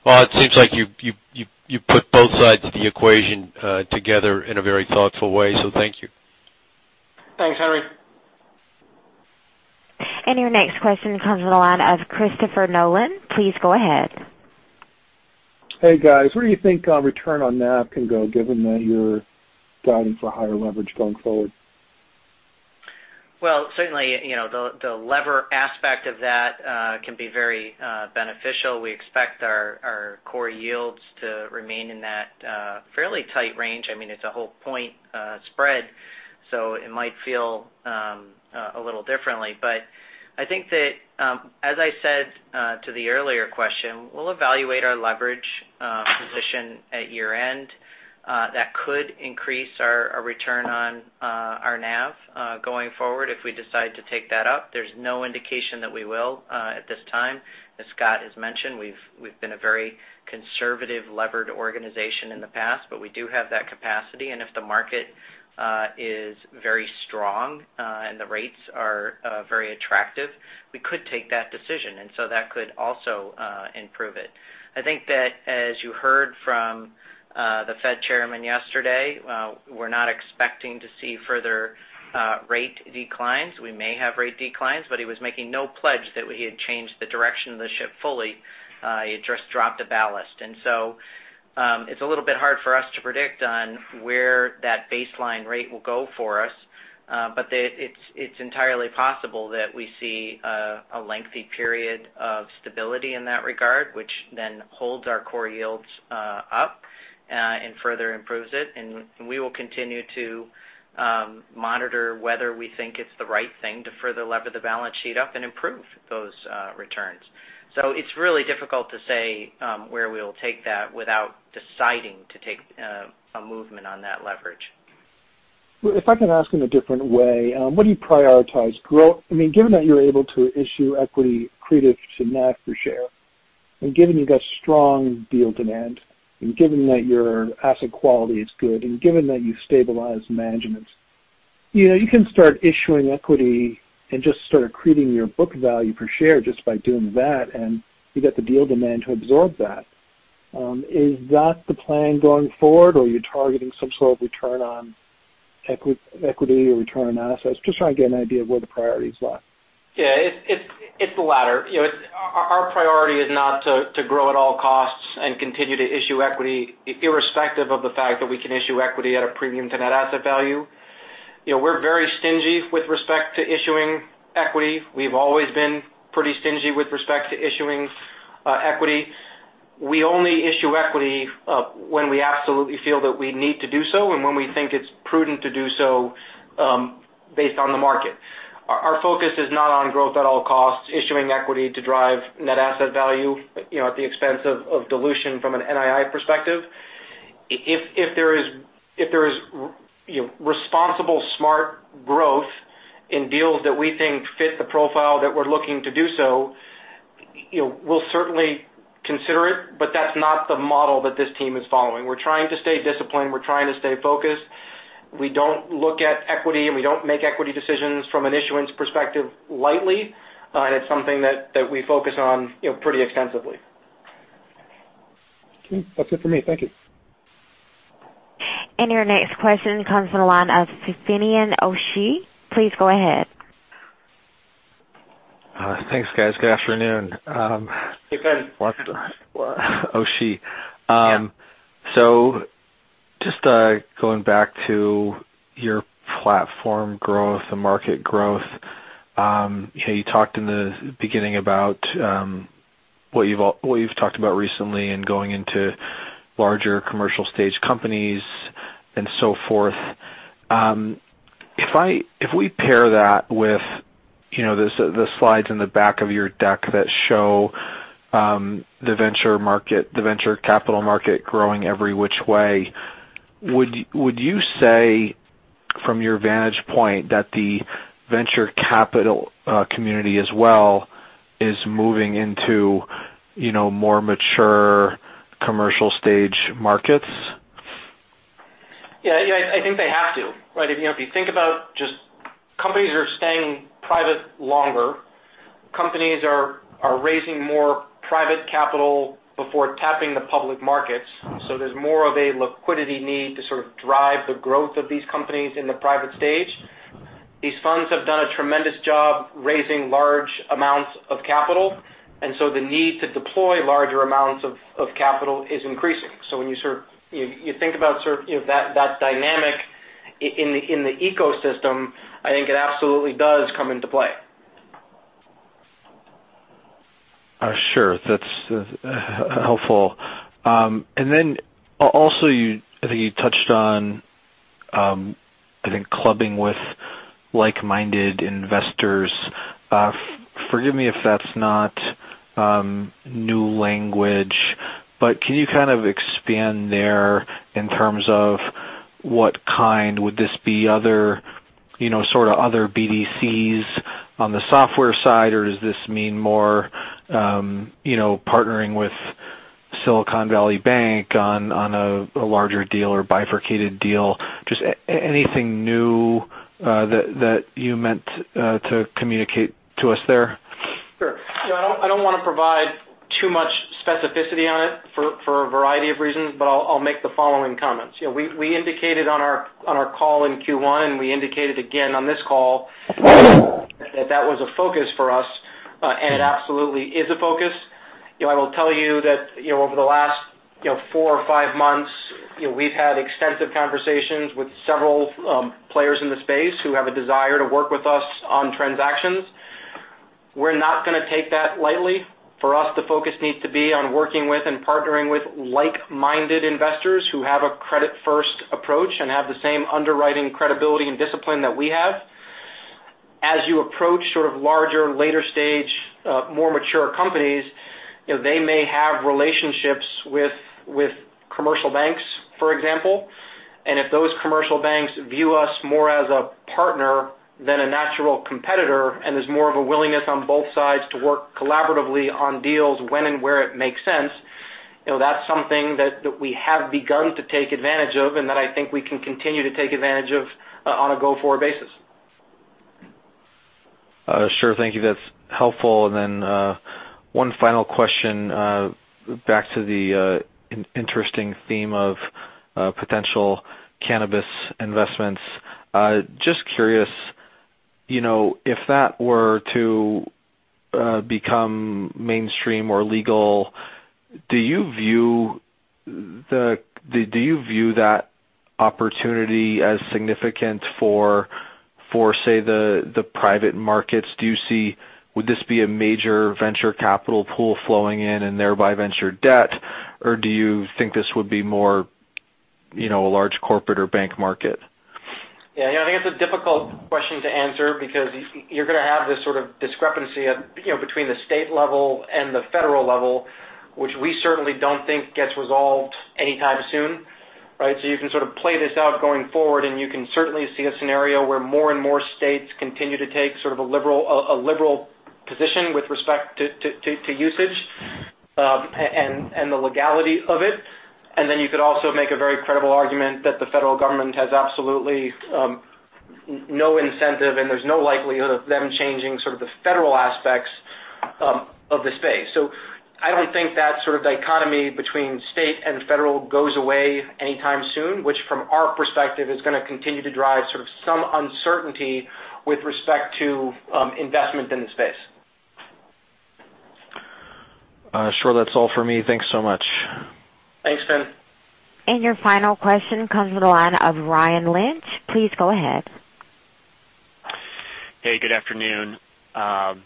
Well, it seems like you put both sides of the equation together in a very thoughtful way, so thank you. Thanks, Henry. Your next question comes from the line of Christopher Nolan. Please go ahead. Hey, guys. Where do you think return on NAV can go, given that you're guiding for higher leverage going forward? Well, certainly, the lever aspect of that can be very beneficial. We expect our core yields to remain in that fairly tight range. I mean, it's a whole point spread, so it might feel a little differently. I think that, as I said to the earlier question, we'll evaluate our leverage position at year-end. That could increase our return on our NAV going forward if we decide to take that up. There's no indication that we will at this time. As Scott has mentioned, we've been a very conservative levered organization in the past, but we do have that capacity, and if the market is very strong and the rates are very attractive, we could take that decision. That could also improve it. I think that as you heard from the Fed Chairman yesterday, we're not expecting to see further rate declines. We may have rate declines, but he was making no pledge that he had changed the direction of the ship fully. He had just dropped a ballast. It's a little bit hard for us to predict on where that baseline rate will go for us. It's entirely possible that we see a lengthy period of stability in that regard, which then holds our core yields up and further improves it. We will continue to monitor whether we think it's the right thing to further lever the balance sheet up and improve those returns. It's really difficult to say where we'll take that without deciding to take a movement on that leverage. Well, if I can ask in a different way, what do you prioritize? Given that you're able to issue equity accretive to NAV per share, and given you've got strong deal demand, and given that your asset quality is good, and given that you've stabilized management, you can start issuing equity and just start accreting your book value per share just by doing that, and you get the deal demand to absorb that. Is that the plan going forward, or are you targeting some sort of return on equity or return on assets? Just trying to get an idea of where the priorities lie. Yeah. It's the latter. Our priority is not to grow at all costs and continue to issue equity irrespective of the fact that we can issue equity at a premium to net asset value. We're very stingy with respect to issuing equity. We've always been pretty stingy with respect to issuing equity. We only issue equity when we absolutely feel that we need to do so and when we think it's prudent to do so based on the market. Our focus is not on growth at all costs, issuing equity to drive net asset value at the expense of dilution from an NII perspective. If there is responsible, smart growth in deals that we think fit the profile that we're looking to do so, we'll certainly consider it, but that's not the model that this team is following. We're trying to stay disciplined. We're trying to stay focused. We don't look at equity, and we don't make equity decisions from an issuance perspective lightly. It's something that we focus on pretty extensively. Okay. That's it for me. Thank you. Your next question comes from the line of Finian O'Shea. Please go ahead. Thanks, guys. Good afternoon. Hey, Fin. O'Shea. Yeah. just going back to your platform growth and market growth. You talked in the beginning about what you've talked about recently and going into larger commercial stage companies and so forth. If we pair that with the slides in the back of your deck that show the venture capital market growing every which way, would you say from your vantage point that the venture capital community as well is moving into more mature commercial stage markets? Yeah. I think they have to, right? If you think about just companies are staying private longer. Companies are raising more private capital before tapping the public markets. There's more of a liquidity need to sort of drive the growth of these companies in the private stage. These funds have done a tremendous job raising large amounts of capital, and so the need to deploy larger amounts of capital is increasing. When you think about that dynamic in the ecosystem, I think it absolutely does come into play. Sure. That's helpful. Then also, I think you touched on clubbing with like-minded investors. Forgive me if that's not new language, but can you kind of expand there in terms of what kind? Would this be sort of other BDCs on the software side, or does this mean more partnering with Silicon Valley Bank on a larger deal or bifurcated deal? Just anything new that you meant to communicate to us there? Sure. I don't want to provide too much specificity on it for a variety of reasons, but I'll make the following comments. We indicated on our call in Q1, and we indicated again on this call, that was a focus for us, and it absolutely is a focus. I will tell you that over the last four or five months, we've had extensive conversations with several players in the space who have a desire to work with us on transactions. We're not going to take that lightly. For us, the focus needs to be on working with and partnering with like-minded investors who have a credit-first approach and have the same underwriting credibility and discipline that we have. As you approach sort of larger, later stage, more mature companies, they may have relationships with commercial banks, for example. If those commercial banks view us more as a partner than a natural competitor, and there's more of a willingness on both sides to work collaboratively on deals when and where it makes sense, that's something that we have begun to take advantage of and that I think we can continue to take advantage of on a go-forward basis. Sure. Thank you. That's helpful. One final question, back to the interesting theme of potential cannabis investments. Just curious, if that were to become mainstream or legal, do you view that opportunity as significant for, say, the private markets? Would this be a major venture capital pool flowing in and thereby venture debt, or do you think this would be more a large corporate or bank market? Yeah, I think it's a difficult question to answer because you're going to have this sort of discrepancy between the state level and the federal level, which we certainly don't think gets resolved anytime soon, right? You can sort of play this out going forward, and you can certainly see a scenario where more and more states continue to take sort of a liberal position with respect to usage and the legality of it. You could also make a very credible argument that the federal government has absolutely no incentive, and there's no likelihood of them changing sort of the federal aspects of the space. I don't think that sort of dichotomy between state and federal goes away anytime soon, which from our perspective, is going to continue to drive sort of some uncertainty with respect to investment in the space. Sure. That's all for me. Thanks so much. Thanks, Ben. Your final question comes from the line of Ryan Lynch. Please go ahead. Hey, good afternoon. Ryan.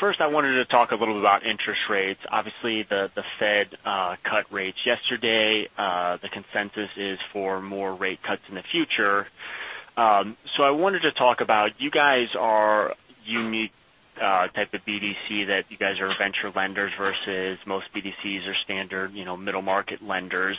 First, I wanted to talk a little bit about interest rates. Obviously, the Fed cut rates yesterday. The consensus is for more rate cuts in the future. I wanted to talk about, you guys are a unique type of BDC that you guys are venture lenders versus most BDCs are standard middle-market lenders.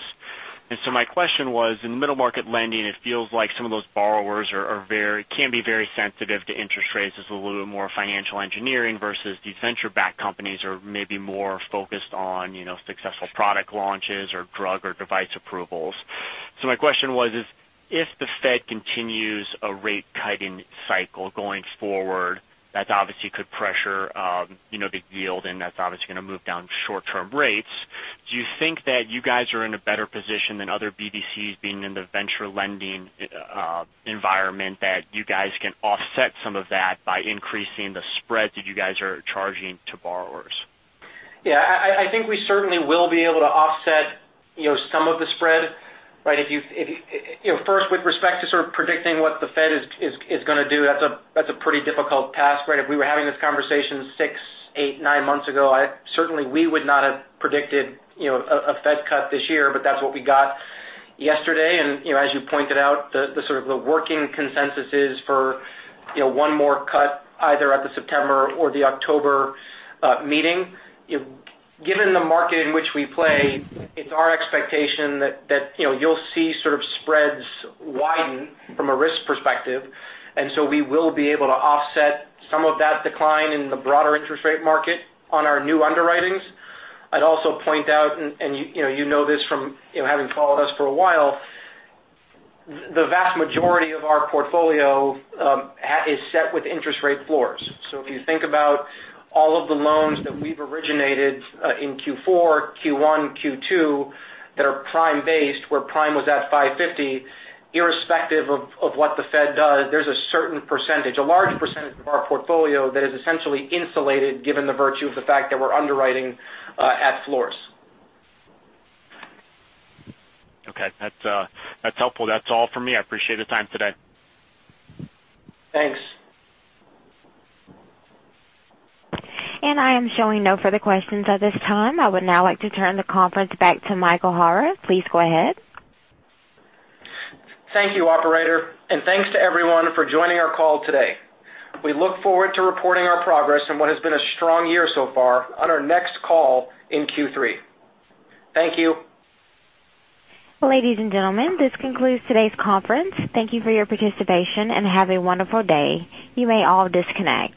My question was, in middle-market lending, it feels like some of those borrowers can be very sensitive to interest rates. There's a little bit more financial engineering versus these venture-backed companies are maybe more focused on successful product launches or drug or device approvals. My question was, if the Fed continues a rate-cutting cycle going forward, that obviously could pressure the yield, and that's obviously going to move down short-term rates. Do you think that you guys are in a better position than other BDCs being in the venture lending environment that you guys can offset some of that by increasing the spread that you guys are charging to borrowers? Yeah, I think we certainly will be able to offset some of the spread, right? First, with respect to sort of predicting what the Fed is going to do, that's a pretty difficult task, right? If we were having this conversation six, eight, nine months ago, certainly we would not have predicted a Fed cut this year. That's what we got yesterday. As you pointed out, the sort of the working consensus is for one more cut, either at the September or the October meeting. Given the market in which we play, it's our expectation that you'll see sort of spreads widen from a risk perspective, and so we will be able to offset some of that decline in the broader interest rate market on our new underwritings. I'd also point out, and you know this from having followed us for a while, the vast majority of our portfolio is set with interest rate floors. If you think about all of the loans that we've originated in Q4, Q1, Q2, that are prime-based, where prime was at 550, irrespective of what the Fed does, there's a certain percentage, a large percentage of our portfolio that is essentially insulated given the virtue of the fact that we're underwriting at floors. Okay. That's helpful. That's all for me. I appreciate the time today. Thanks. I am showing no further questions at this time. I would now like to turn the conference back to Michael Hara. Please go ahead. Thank you, operator, and thanks to everyone for joining our call today. We look forward to reporting our progress on what has been a strong year so far on our next call in Q3. Thank you. Ladies and gentlemen, this concludes today's conference. Thank you for your participation, and have a wonderful day. You may all disconnect.